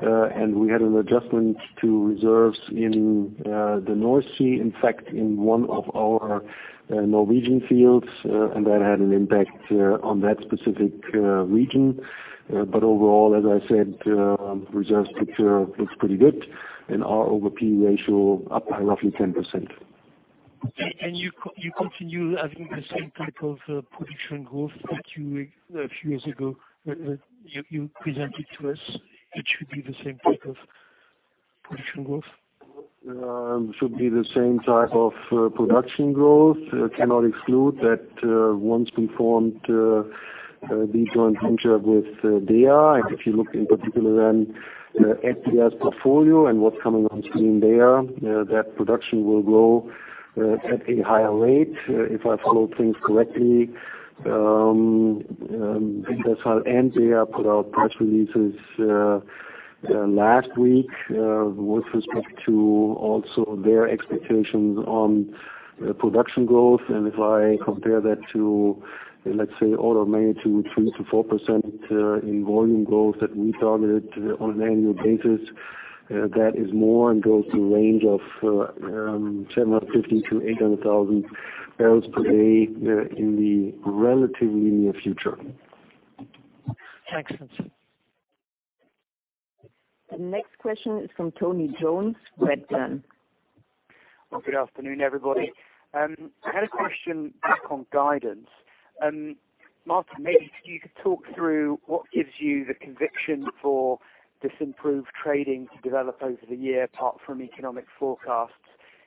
We had an adjustment to reserves in the North Sea, in fact, in one of our Norwegian fields, and that had an impact on that specific region. Overall, as I said, reserves picture looks pretty good and R over P ratio up by roughly 10%. You continue having the same type of production growth that you, a few years ago, you presented to us. It should be the same type of production growth? Should be the same type of production growth. Cannot exclude that once we formed the joint venture with DEA, and if you look in particular then at DEA's portfolio and what's coming on stream there, that production will grow at a higher rate. If I followed things correctly, Wintershall and DEA put out press releases last week with respect to also their expectations on production growth. If I compare that to, let's say, order of magnitude 3%-4% in volume growth that we targeted on an annual basis, that is more and goes to a range of 750,000-800,000 barrels per day in the relatively near future. Excellent. The next question is from Tony Jones, Redburn. Good afternoon, everybody. I had a question back on guidance. Martin, maybe if you could talk through what gives you the conviction for this improved trading to develop over the year, apart from economic forecasts.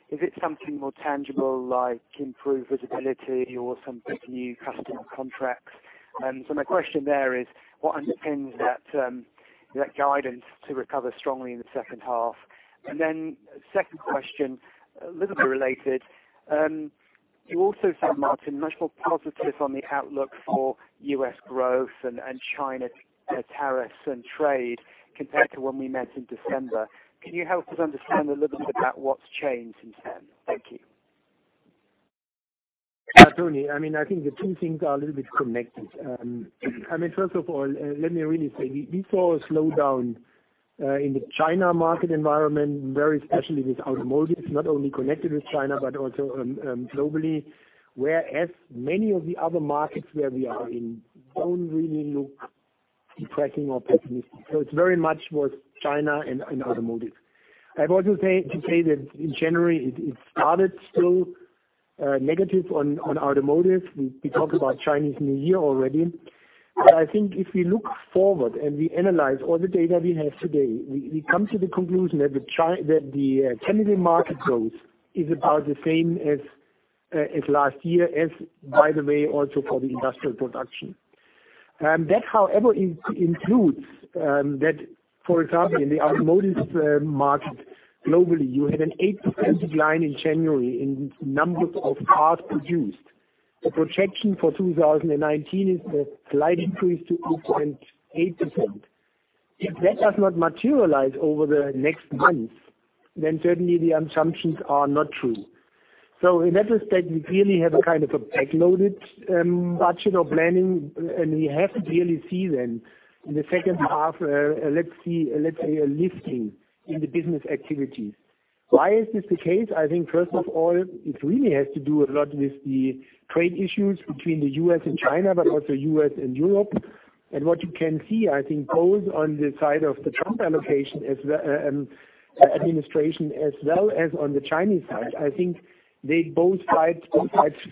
Is it something more tangible, like improved visibility or some big new customer contracts? My question there is, what underpins that guidance to recover strongly in the second half? Second question, a little bit related. You also sound, Martin, much more positive on the outlook for U.S. growth and China tariffs and trade compared to when we met in December. Can you help us understand a little bit about what's changed since then? Thank you. Tony, I think the two things are a little bit connected. First of all, let me really say, we saw a slowdown in the China market environment, very specially with automotive, not only connected with China, but also globally. Whereas many of the other markets where we are in don't really look depressing or pessimistic. It very much was China and automotive. I've also to say that in January it started still negative on automotive. We talked about Chinese New Year already. I think if we look forward and we analyze all the data we have today, we come to the conclusion that the chemical market growth is about the same as last year as, by the way, also for the industrial production. That, however, includes that, for example, in the automotive market globally, you had an 8% decline in January in numbers of cars produced. The projection for 2019 is a slight increase to 0.8%. If that does not materialize over the next months, certainly the assumptions are not true. In that respect, we clearly have a kind of a back-loaded budget or planning, and we haven't really seen in the second half, let's say, a lifting in the business activities. Why is this the case? I think first of all, it really has to do a lot with the trade issues between the U.S. and China, but also U.S. and Europe. What you can see, I think both on the side of the Trump Administration as well as on the Chinese side, I think both sides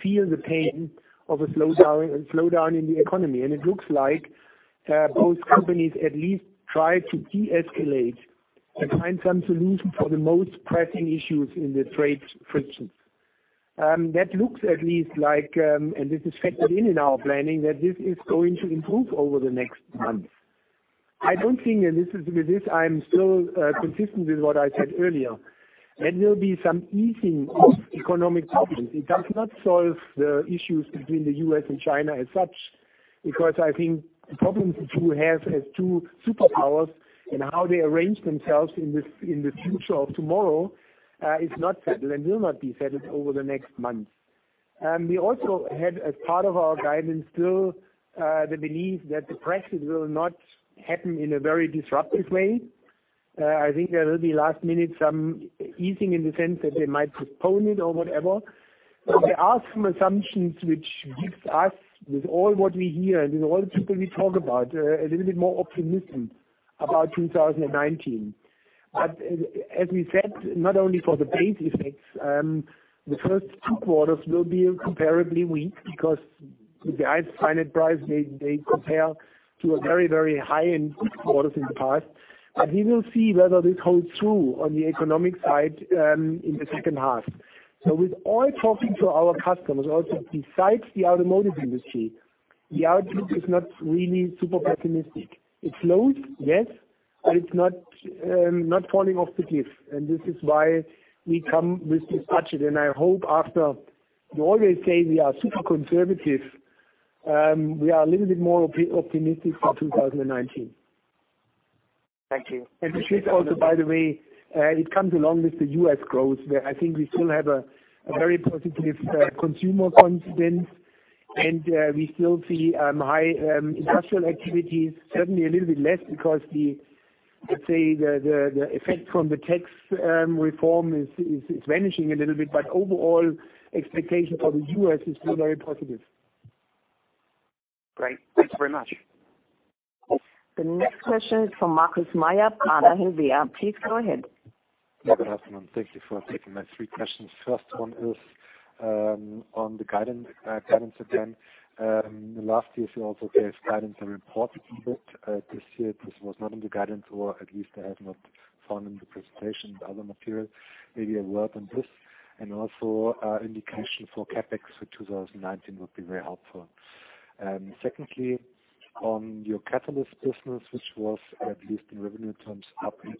feel the pain of a slowdown in the economy. It looks like both companies at least try to deescalate and find some solution for the most pressing issues in the trade frictions. That looks at least like, and this is factored in in our planning, that this is going to improve over the next month. I don't think, and with this I'm still consistent with what I said earlier, there will be some easing of economic problems. It does not solve the issues between the U.S. and China as such, because I think the problems the two have as two superpowers and how they arrange themselves in the future of tomorrow is not settled and will not be settled over the next months. We also had, as part of our guidance still, the belief that the pressures will not happen in a very disruptive way. I think there will be last minute some easing in the sense that they might postpone it or whatever. There are some assumptions which gives us, with all what we hear and with all the people we talk about, a little bit more optimism about 2019. As we said, not only for the base effects, the first two quarters will be comparably weak because the isocyanate price, they compare to a very high-end quarters in the past. We will see whether this holds true on the economic side in the second half. With all talking to our customers, also besides the automotive industry, the outlook is not really super pessimistic. It's low, yes, but it's not falling off the cliff. This is why we come with this budget. I hope after, you always say we are super conservative, we are a little bit more optimistic for 2019. Thank you. Which is also, by the way, it comes along with the U.S. growth, where I think we still have a very positive consumer confidence and we still see high industrial activities, certainly a little bit less because the, let's say, the effect from the tax reform is vanishing a little bit. Overall expectation for the U.S. is still very positive. Great. Thanks very much. The next question is from Markus Mayer, Baader Helvea. Please go ahead. Good afternoon. Thank you for taking my three questions. First one is on the guidance again. Last year, you also gave guidance and reported EBIT. This year, this was not in the guidance or at least I have not found in the presentation the other material, maybe a word on this. Indication for CapEx for 2019 would be very helpful. Secondly, on your catalyst business, which was at least in revenue terms, up 18%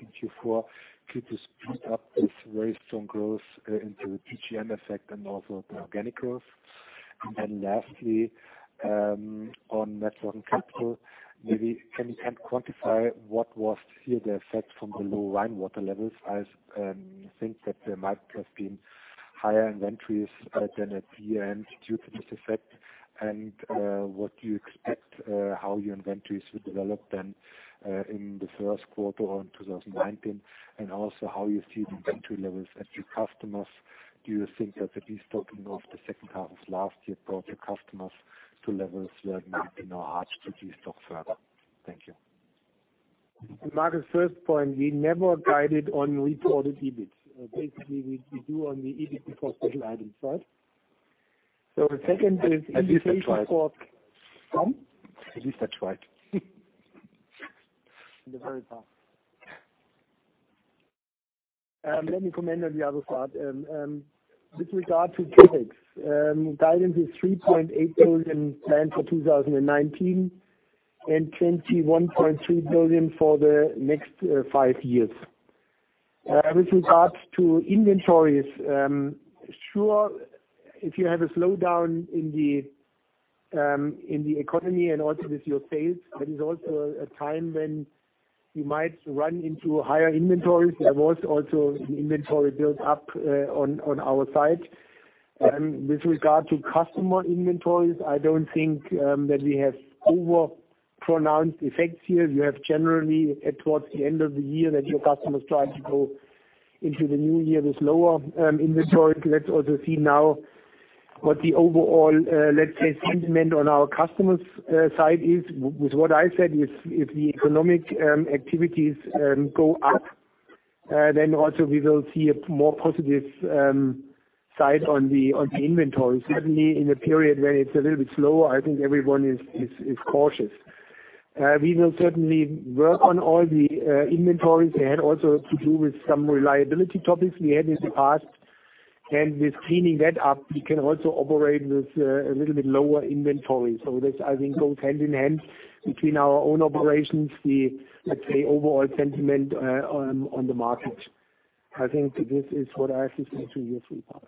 in Q4, could you speak up this very strong growth into the PGM effect and also the organic growth? Lastly, on net working capital, maybe can you quantify what was here the effect from the low Rhine water levels? I think that there might have been higher inventories than at the end due to this effect. What do you expect how your inventories will develop then in the first quarter on 2019, and also how you see the inventory levels at your customers. Do you think that the destocking of the second half of last year brought your customers to levels that may be now hard to destock further? Thank you. Markus, first point, we never guided on reported EBIT. Basically, we do on the EBIT before special items, right? At least I tried. From? At least I tried. In the very top. Let me comment on the other part. With regard to CapEx, guidance is 3.8 billion planned for 2019 and 21.3 billion for the next five years. With regards to inventories, sure, if you have a slowdown in the economy and also with your sales, that is also a time when you might run into higher inventories. There was also an inventory built up on our side. With regard to customer inventories, I don't think that we have overpronounced effects here. You have generally towards the end of the year that your customers try to go into the new year with lower inventories. Let's also see now what the overall, let's say, sentiment on our customers' side is. With what I said, if the economic activities go up, then also we will see a more positive side on the inventories. Certainly in a period where it's a little bit slower, I think everyone is cautious. We will certainly work on all the inventories. It had also to do with some reliability topics we had in the past. With cleaning that up, we can also operate with a little bit lower inventory. This, I think, goes hand in hand between our own operations, the, let's say, overall sentiment on the market. I think this is what I have to say to your three parts.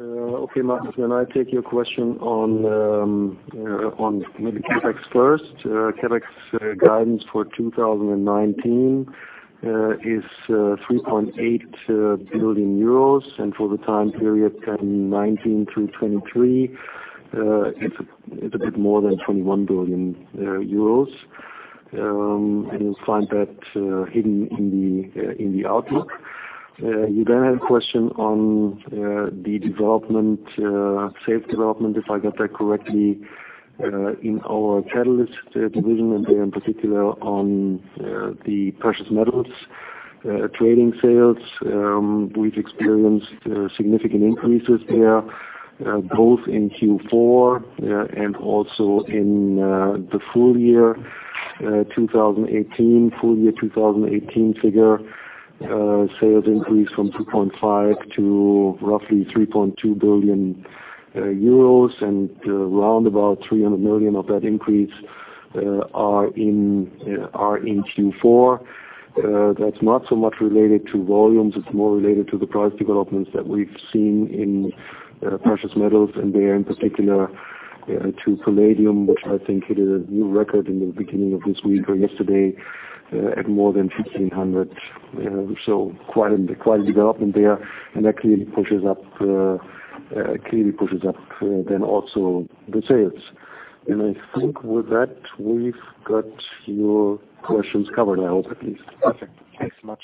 Okay, Martin, I take your question on maybe CapEx first. CapEx guidance for 2019 is 3.8 billion euros, and for the time period 2019 through 2023, it's a bit more than 21 billion euros. You'll find that hidden in the outlook. You then had a question on the sales development, if I got that correctly, in our Catalysts division, and there in particular on the precious metals trading sales. We've experienced significant increases there, both in Q4 and also in the full year 2018 figure. Sales increased from 2.5 billion to roughly 3.2 billion euros, and around about 300 million of that increase are in Q4. That's not so much related to volumes. It's more related to the price developments that we've seen in precious metals, and there in particular to palladium, which I think hit a new record in the beginning of this week or yesterday at more than 1,500. Quite a development there, and that clearly pushes up then also the sales. I think with that, we've got your questions covered, I hope at least. Perfect. Thanks much.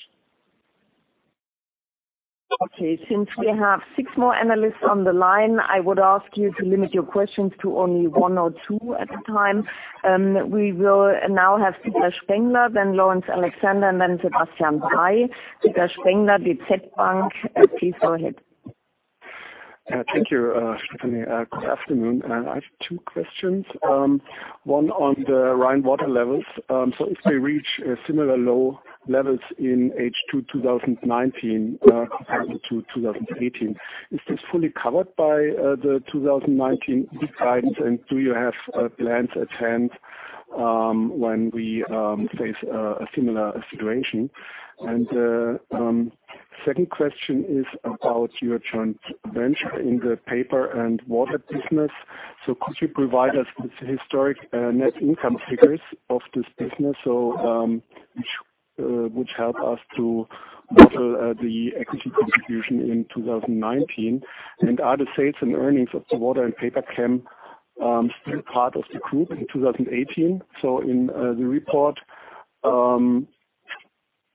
Okay. Since we have six more analysts on the line, I would ask you to limit your questions to only one or two at a time. We will now have Peter Spengler, then Laurence Alexander, and then Sebastian Bray. Peter Spengler, DZ Bank, please go ahead. Thank you, Stefanie. Good afternoon. I have two questions, one on the Rhine water levels. If we reach similar low levels in H2 2019 compared to 2018, is this fully covered by the 2019 guidance, and do you have plans at hand when we face a similar situation? Second question is about your joint venture in the paper and water business. Could you provide us with the historic net income figures of this business, which help us to model the equity contribution in 2019? Are the sales and earnings of the water and paper chem still part of the group in 2018?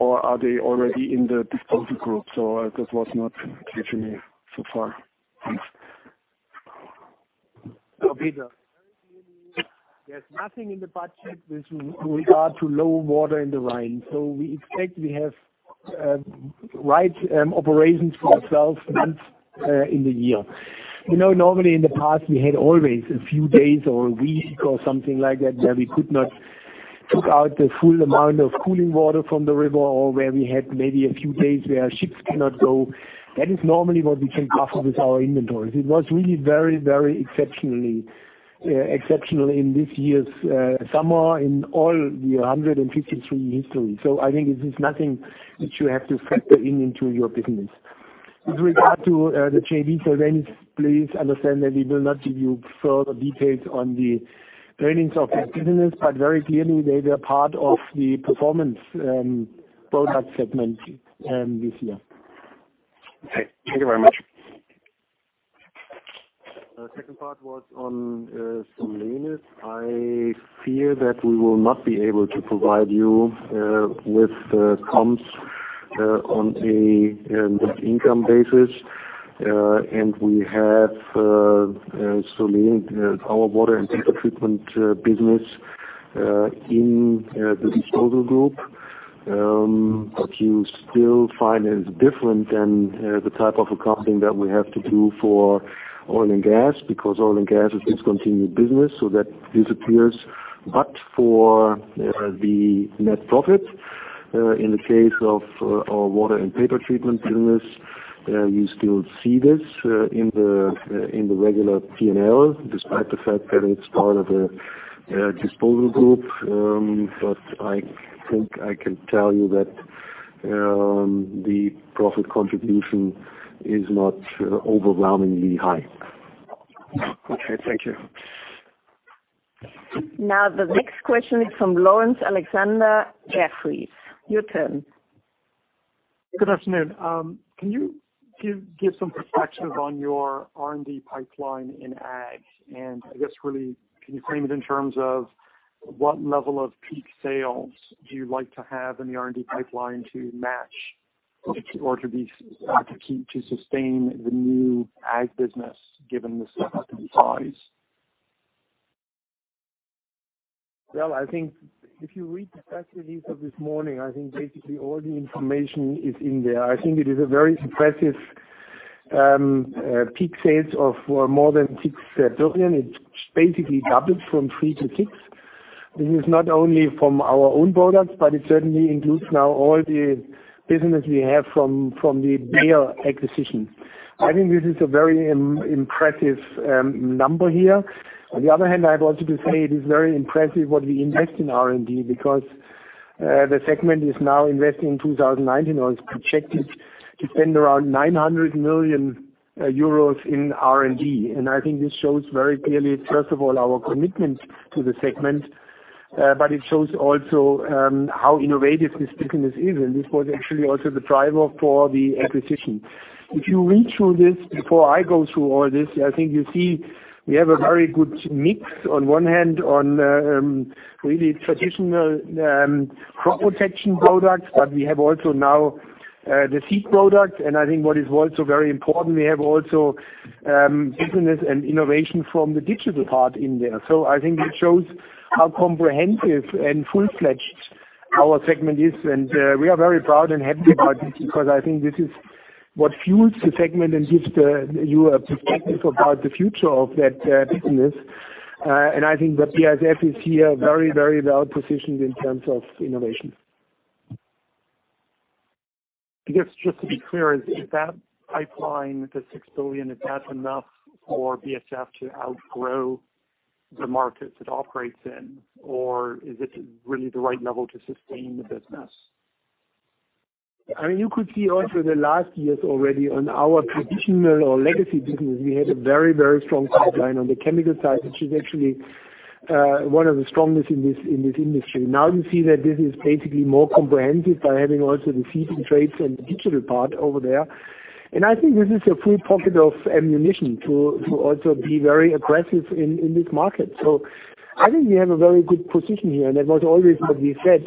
Or are they already in the disposal group? That was not clear to me so far. Thanks. Peter, there's nothing in the budget with regard to low water in the Rhine. We expect we have right operations for 12 months in the year. Normally in the past, we had always a few days or a week or something like that where we could not take out the full amount of cooling water from the river, or where we had maybe a few days where ships cannot go. That is normally what we can cover with our inventories. It was really very exceptionally exceptional in this year's summer in all the 153 history. I think it is nothing that you have to factor in into your business. With regard to the JV, please understand that we will not give you further details on the earnings of that business, but very clearly, they were part of the Performance Products segment this year. Okay. Thank you very much. The second part was on Solenis. I fear that we will not be able to provide you with comps on a net income basis. We have Solenis, our water and paper treatment business, in the disposal group. What you still find is different than the type of accounting that we have to do for oil and gas, because oil and gas is discontinued business, so that disappears. For the net profit, in the case of our water and paper treatment business, you still see this in the regular P&L, despite the fact that it's part of the disposal group. I think I can tell you that the profit contribution is not overwhelmingly high. Okay, thank you. The next question is from Laurence Alexander, Jefferies. Your turn. Good afternoon. Can you give some perspective on your R&D pipeline in ag? I guess really, can you frame it in terms of what level of peak sales do you like to have in the R&D pipeline to match or to sustain the new ag business, given the size? Well, I think if you read the press release of this morning, I think basically all the information is in there. I think it is a very impressive peak sales of more than 6 billion. It's basically doubled from three to six. This is not only from our own products, but it certainly includes now all the business we have from the Bayer acquisition. I think this is a very impressive number here. On the other hand, I have also to say it is very impressive what we invest in R&D, because The segment is now investing in 2019, or is projected to spend around 900 million euros in R&D. I think this shows very clearly, first of all, our commitment to the segment, but it shows also how innovative this business is. This was actually also the driver for the acquisition. If you read through this, before I go through all this, I think you see we have a very good mix on one hand on really traditional crop protection products, but we have also now the seed products. I think what is also very important, we have also business and innovation from the digital part in there. I think it shows how comprehensive and full-fledged our segment is. We are very proud and happy about this because I think this is what fuels the segment and gives you a perspective about the future of that business. I think that BASF is here very well positioned in terms of innovation. I guess, just to be clear, is that pipeline, the 6 billion, is that enough for BASF to outgrow the markets it operates in? Or is it really the right level to sustain the business? You could see also the last years already on our traditional or legacy business, we had a very strong pipeline on the chemical side, which is actually one of the strongest in this industry. Now you see that this is basically more comprehensive by having also the seeding traits and digital part over there. I think this is a full pocket of ammunition to also be very aggressive in this market. I think we have a very good position here, and that was always what we said.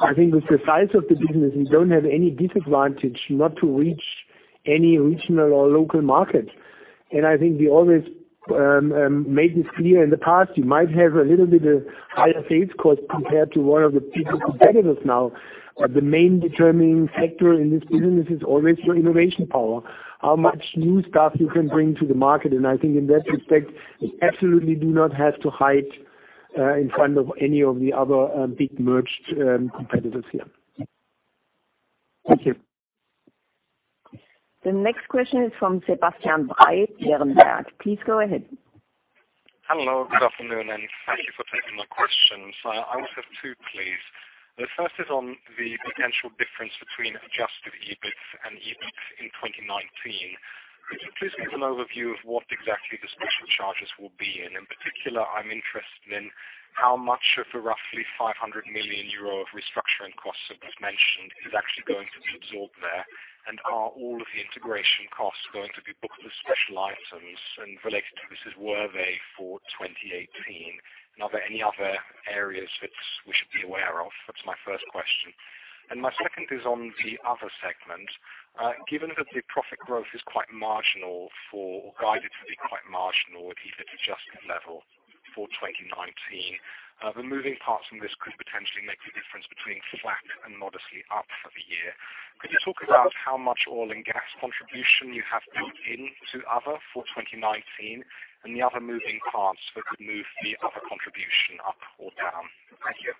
I think with the size of the business, we don't have any disadvantage not to reach any regional or local market. I think we always made this clear in the past, you might have a little bit of higher sales cost compared to one of the bigger competitors now. The main determining factor in this business is always your innovation power, how much new stuff you can bring to the market. I think in that respect, we absolutely do not have to hide in front of any of the other big merged competitors here. Thank you. The next question is from Sebastian Bray, Berenberg. Please go ahead. Hello, good afternoon, and thank you for taking my questions. I would have two, please. The first is on the potential difference between adjusted EBIT and EBIT in 2019. Could you please give an overview of what exactly the special charges will be? In particular, I'm interested in how much of the roughly 500 million euro of restructuring costs that was mentioned is actually going to be absorbed there. Are all of the integration costs going to be booked as special items? Related to this, were they for 2018? Are there any other areas that we should be aware of? That's my first question. My second is on the other segment. Given that the profit growth is quite marginal for, or guided to be quite marginal at EBIT adjusted level for 2019, the moving parts from this could potentially make the difference between flat and modestly up for the year. Could you talk about how much oil and gas contribution you have built into Other for 2019, and the other moving parts that could move the Other contribution up or down? Thank you.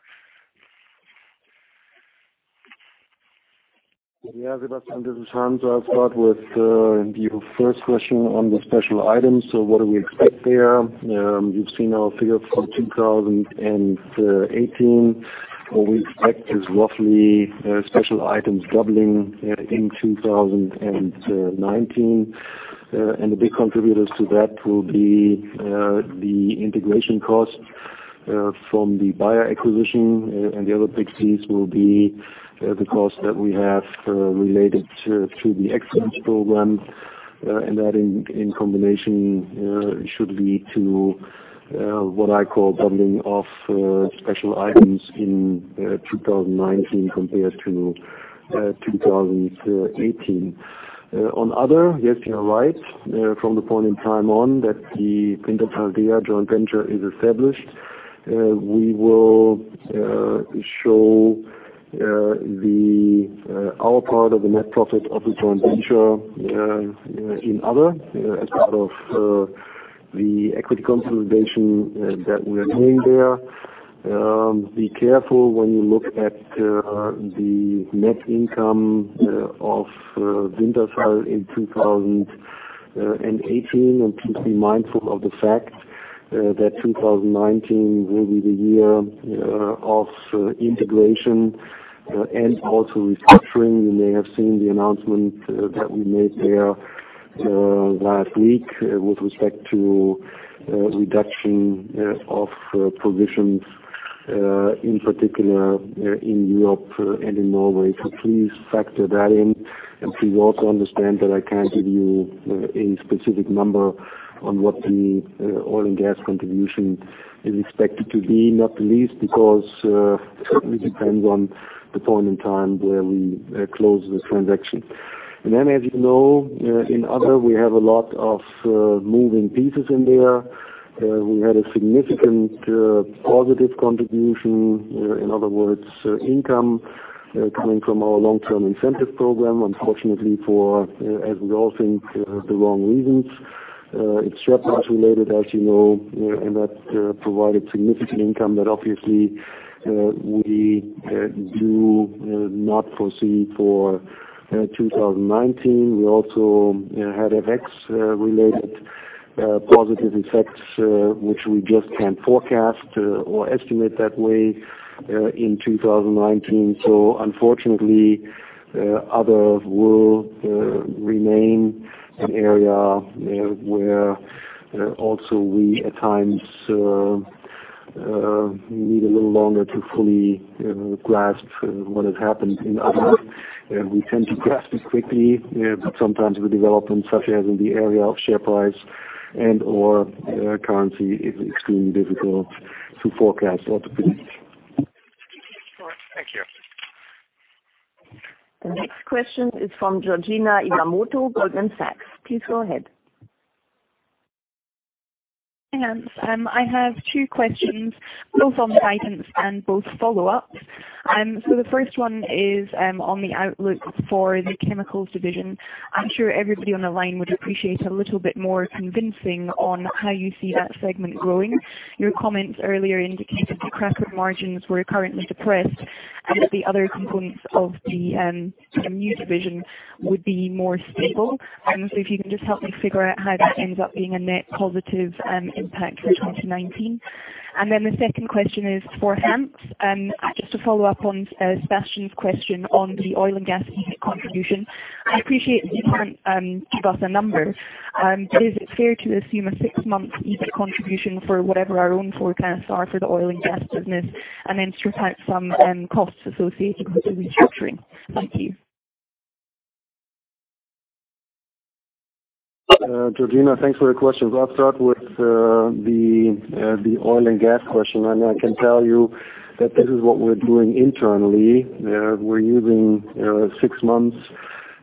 Sebastian, this is Hans. I'll start with your first question on the special items. What do we expect there? You've seen our figure for 2018, where we expect is roughly special items doubling in 2019. The big contributors to that will be the integration cost from the Bayer acquisition, and the other big piece will be the cost that we have related to the excellence program. That in combination should lead to what I call doubling of special items in 2019 compared to 2018. On Other, yes, you're right. From the point in time on that the Wintershall DEA joint venture is established, we will show our part of the net profit of the joint venture in Other as part of the equity consolidation that we are doing there. Be careful when you look at the net income of Wintershall in 2018, and please be mindful of the fact that 2019 will be the year of integration and also restructuring. You may have seen the announcement that we made there last week with respect to reduction of provisions, in particular in Europe and in Norway. Please factor that in, and please also understand that I can't give you any specific number on what the oil and gas contribution is expected to be, not least because it certainly depends on the point in time where we close this transaction. As you know, in Other, we have a lot of moving pieces in there. We had a significant positive contribution, in other words, income coming from our long-term incentive program, unfortunately for, as we all think, the wrong reasons. It's traumas related, as you know. That provided significant income that obviously we do not foresee for 2019. We also had FX related Positive effects, which we just can't forecast or estimate that way in 2019. Unfortunately, Other will remain an area where also we, at times, need a little longer to fully grasp what has happened in Other. We tend to grasp it quickly, but sometimes we develop them, such as in the area of share price and/or currency is extremely difficult to forecast or to predict. All right. Thank you. The next question is from Georgina Iwamoto, Goldman Sachs. Please go ahead. Hi, Hans. I have two questions, both on guidance and both follow-ups. The first one is on the outlook for the Chemicals division. I'm sure everybody on the line would appreciate a little bit more convincing on how you see that segment growing. Your comments earlier indicated the cracker margins were currently depressed and that the other components of the new division would be more stable. If you can just help me figure out how that ends up being a net positive impact for 2019. The second question is for Hans, just to follow up on Sebastian's question on the oil and gas EBIT contribution. I appreciate you can't give us a number, but is it fair to assume a six-month EBIT contribution for whatever our own forecasts are for the oil and gas business, and then strip out some costs associated with the restructuring? Thank you. Georgina, thanks for your questions. I'll start with the oil and gas question. I can tell you that this is what we're doing internally. We're using six months.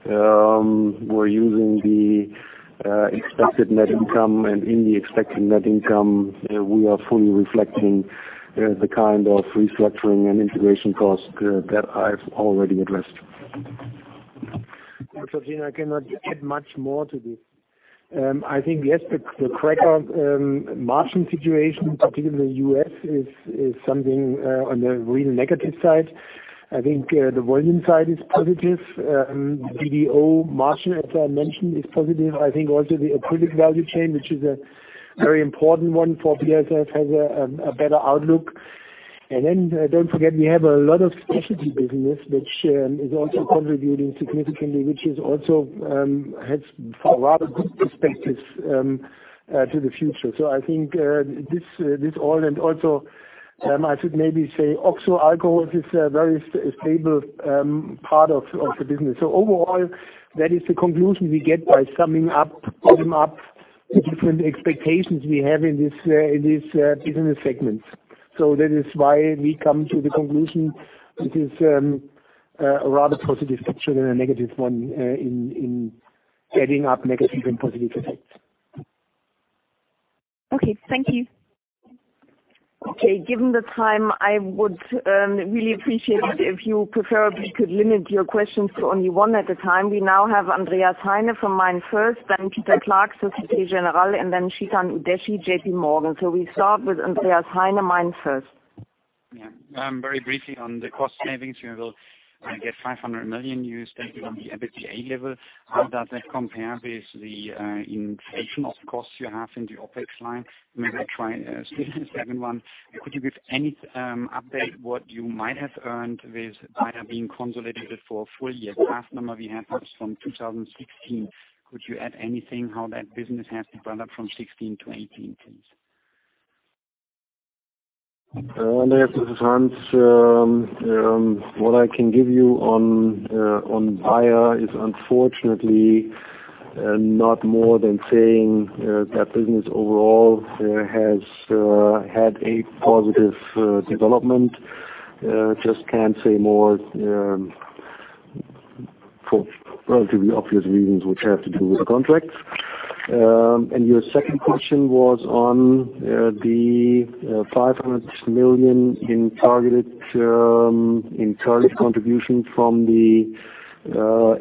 We're using the expected net income, and in the expected net income, we are fully reflecting the kind of restructuring and integration cost that I've already addressed. Georgina, I cannot add much more to this. I think, yes, the cracker margin situation, particularly in the U.S., is something on the real negative side. I think the volume side is positive. BDO margin, as I mentioned, is positive. I think also the acrylic value chain, which is a very important one for BASF, has a better outlook. Don't forget, we have a lot of specialty business which is also contributing significantly, which also has a rather good perspective to the future. I think this all, and also I should maybe say oxo alcohols is a very stable part of the business. Overall, that is the conclusion we get by summing up the different expectations we have in these business segments. That is why we come to the conclusion this is a rather positive picture than a negative one in adding up negative and positive effects. Okay. Thank you. Okay. Given the time, I would really appreciate it if you preferably could limit your questions to only one at a time. We now have Andreas Heine from MainFirst, then Peter Clark, Société Générale, and then Chetan Udasi, J.P. Morgan. We start with Andreas Heine, MainFirst. Yeah. Very briefly on the cost savings, you will get 500 million used based on the EBITDA level. How does that compare with the inflation of costs you have in the OpEx line? Maybe I try a second one. Could you give any update what you might have earned with Bayer being consolidated for a full year? The last number we had was from 2016. Could you add anything how that business has developed from 2016 to 2018, please? Andreas, this is Hans. What I can give you on Bayer is unfortunately not more than saying that business overall has had a positive development. Just can't say more for relatively obvious reasons which have to do with the contracts. Your second question was on the 500 million in target contribution from the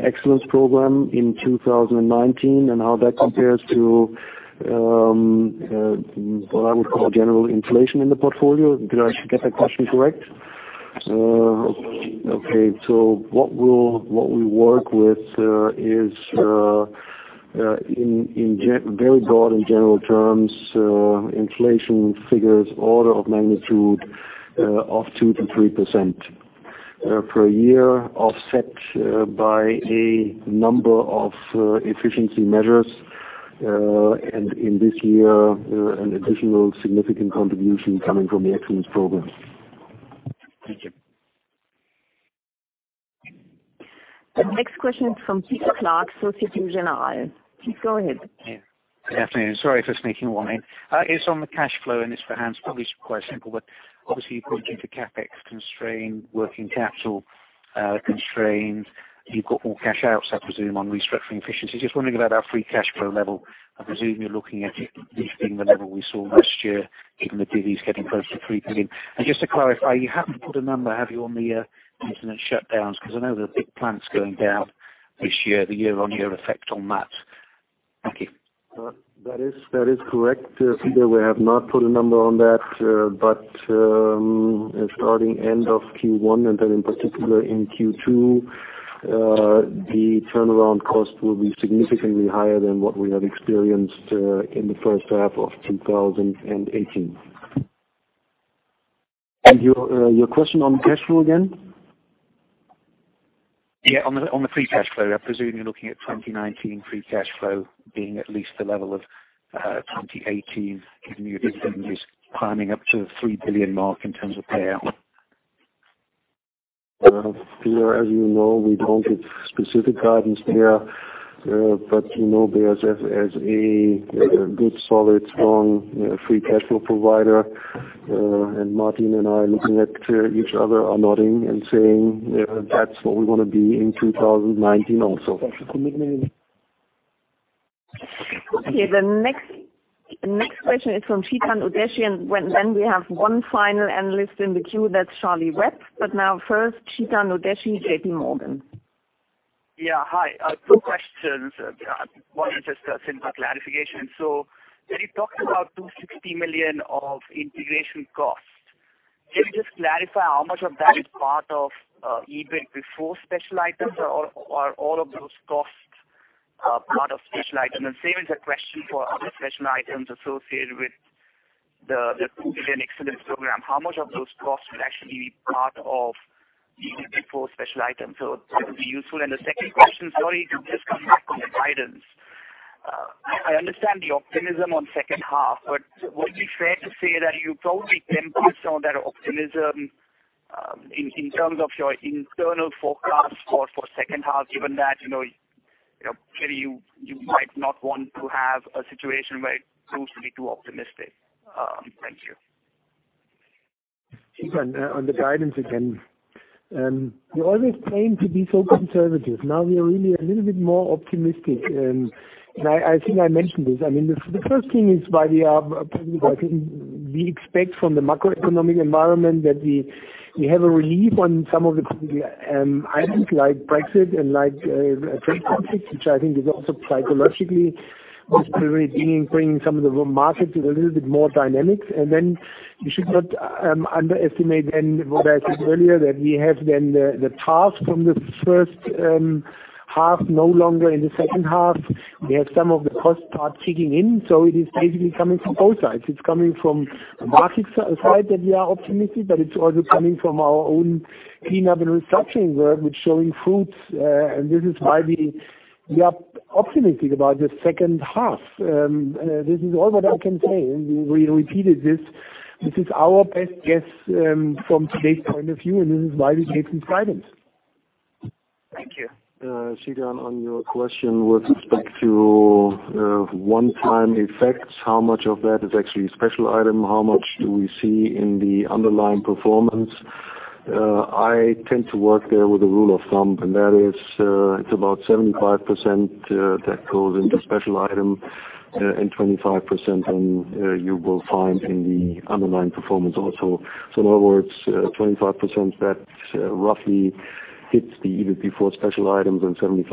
excellence program in 2019 and how that compares to what I would call general inflation in the portfolio. Did I get that question correct? Okay. What we work with is, in very broad and general terms, inflation figures order of magnitude of 2%-3% per year, offset by a number of efficiency measures, and in this year, an additional significant contribution coming from the excellence programs. Thank you. The next question is from Peter Clark, Société Générale. Please go ahead. Good afternoon. Sorry for sneaking one in. It's on the cash flow, and it's for Hans. Probably quite simple, but obviously you pointed to CapEx constrained, working capital constrained. You've got more cash outs, I presume, on restructuring efficiency. Just wondering about our free cash flow level. I presume you're looking at it lifting the level we saw last year, given the divvy's getting close to 3 billion. Just to clarify, you haven't put a number, have you, on the planned shutdowns? Because I know there are big plants going down this year, the year-on-year effect on that. Thank you. That is correct, Peter. We have not put a number on that. Starting end of Q1, then in particular in Q2 The turnaround cost will be significantly higher than what we have experienced in the first half of 2018. Your question on cash flow again? On the free cash flow. I presume you're looking at 2019 free cash flow being at least the level of 2018, given your business climbing up to the 3 billion mark in terms of payout. Peter, as you know, we don't give specific guidance there. You know BASF as a good, solid, strong free cash flow provider. Martin and I are looking at each other, are nodding and saying that's what we want to be in 2019 also. Thank you. Okay. The next question is from Chetan Udeshi, and then we have one final analyst in the queue, that is Charlie Webb. First, Chetan Udeshi, J.P. Morgan. Yeah. Hi. Two questions. One is just a simple clarification. When you talked about 260 million of integration costs, can you just clarify how much of that is part of EBIT before special items, or are all of those costs part of special items? Same as a question for other special items associated with the Excellence Program. How much of those costs will actually be part of EBIT before special items? That would be useful. The second question, sorry to just come back on the guidance. I understand the optimism on second half, would it be fair to say that you probably tempered some of that optimism, in terms of your internal forecast for second half, given that clearly you might not want to have a situation where it proves to be too optimistic. Thank you. Chetan, on the guidance again. We always claim to be so conservative. Now we are really a little bit more optimistic, and I think I mentioned this. The first thing is we expect from the macroeconomic environment that we have a relief on some of the items like Brexit and trade conflicts, which I think is also psychologically bringing some of the markets with a little bit more dynamics. You should not underestimate then what I said earlier, that we have then the task from the first half no longer in the second half. We have some of the cost part kicking in, it is basically coming from both sides. It is coming from a market side that we are optimistic, it is also coming from our own cleanup and restructuring work, which showing fruits. This is why we are optimistic about the second half. We repeated this. This is our best guess from today's point of view, and this is why we gave this guidance. Thank you. Chetan, on your question with respect to one-time effects, how much of that is actually special item, how much do we see in the underlying performance. I tend to work there with a rule of thumb, and that is it's about 75% that goes into special item and 25% you will find in the underlying performance also. In other words, 25% that roughly hits the EBIT before special items and 75%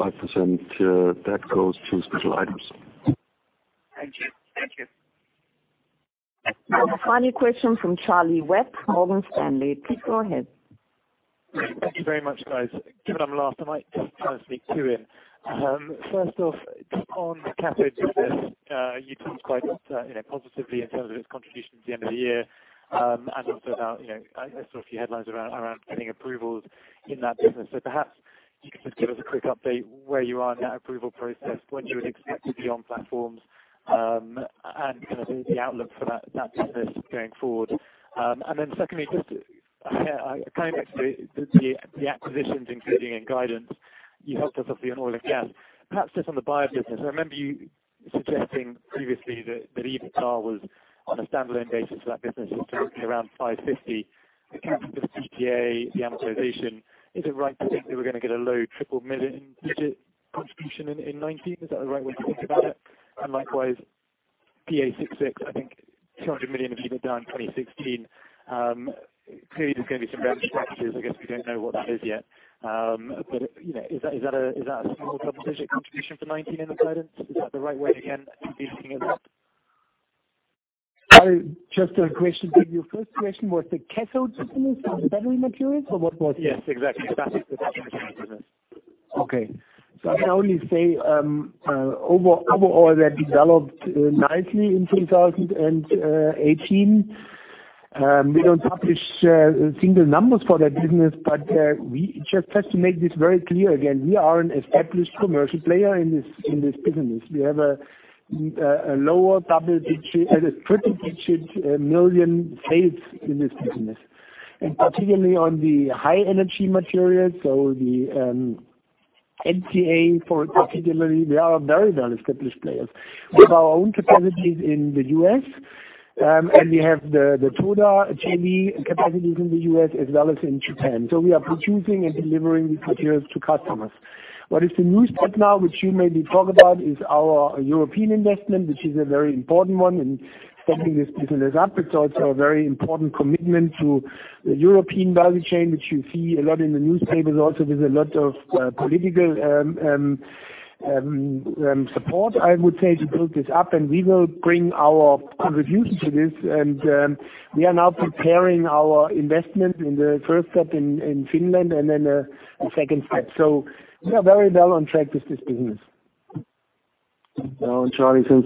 that goes to special items. Thank you. The final question from Charlie Webb, Morgan Stanley. Please go ahead. Thank you very much, guys. Given I'm last, I might just try and sneak two in. First off, on the cathode business. You talked quite positively in terms of its contribution at the end of the year. Also now, I saw a few headlines around getting approvals in that business. Perhaps you could just give us a quick update where you are in that approval process, when you would expect to be on platforms, and the outlook for that business going forward. Then secondly, just coming back to the acquisitions including in guidance. You helped us obviously on oil and gas. Perhaps just on the Bayer business. I remember you suggesting previously that EBITDA was on a standalone basis for that business is currently around 550, accounting for the PPA, the amortization. Is it right to think that we're going to get a low triple digit contribution in 2019? Is that the right way to think about it? Likewise, PA 66, I think 200 million of EBITDA in 2016. Clearly, there's going to be some revenue synergies. I guess we don't know what that is yet. Is that a small double-digit contribution for 2019 in the guidance? Is that the right way, again, to be looking at that? Just a question. Your first question was the cathode business or the battery materials, or what was it? Yes, exactly. That is the cathode business. Okay. I can only say, overall, that developed nicely in 2018. We do not publish single numbers for that business. We just have to make this very clear again, we are an established commercial player in this business. We have a lower double-digit pretty good million sales in this business. Particularly on the high energy materials, the NCA, for particularly, we are a very well-established players. We have our own capacities in the U.S., and we have the Toyota JV capacities in the U.S. as well as in Japan. We are producing and delivering the materials to customers. What is the new step now, which you maybe talk about, is our European investment, which is a very important one in setting this business up. It is also a very important commitment to the European value chain, which you see a lot in the newspapers also, there is a lot of political support, I would say, to build this up, and we will bring our contribution to this. We are now preparing our investment in the first step in Finland and then the second step. We are very well on track with this business. Charlie, since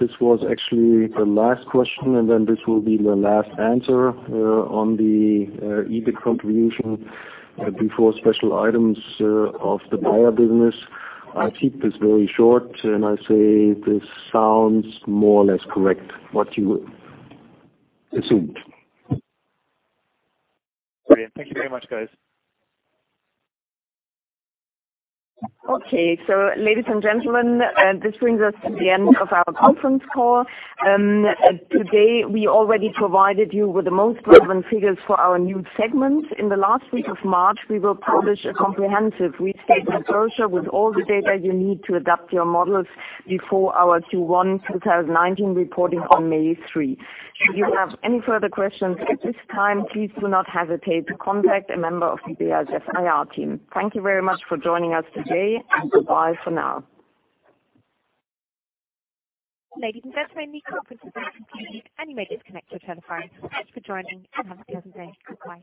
this was actually the last question, this will be the last answer on the EBIT contribution before special items of the Bayer business. I keep this very short, and I say this sounds more or less correct what you assumed. Brilliant. Thank you very much, guys. Okay. Ladies and gentlemen, this brings us to the end of our conference call. Today, we already provided you with the most relevant figures for our new segments. In the last week of March, we will publish a comprehensive restatement brochure with all the data you need to adapt your models before our Q1 2019 reporting on May 3rd. If you have any further questions at this time, please do not hesitate to contact a member of the BASF IR team. Thank you very much for joining us today, and goodbye for now. Ladies and gentlemen, the conference has been concluded, and you may disconnect your telephones. Thanks for joining, and have a pleasant day. Goodbye.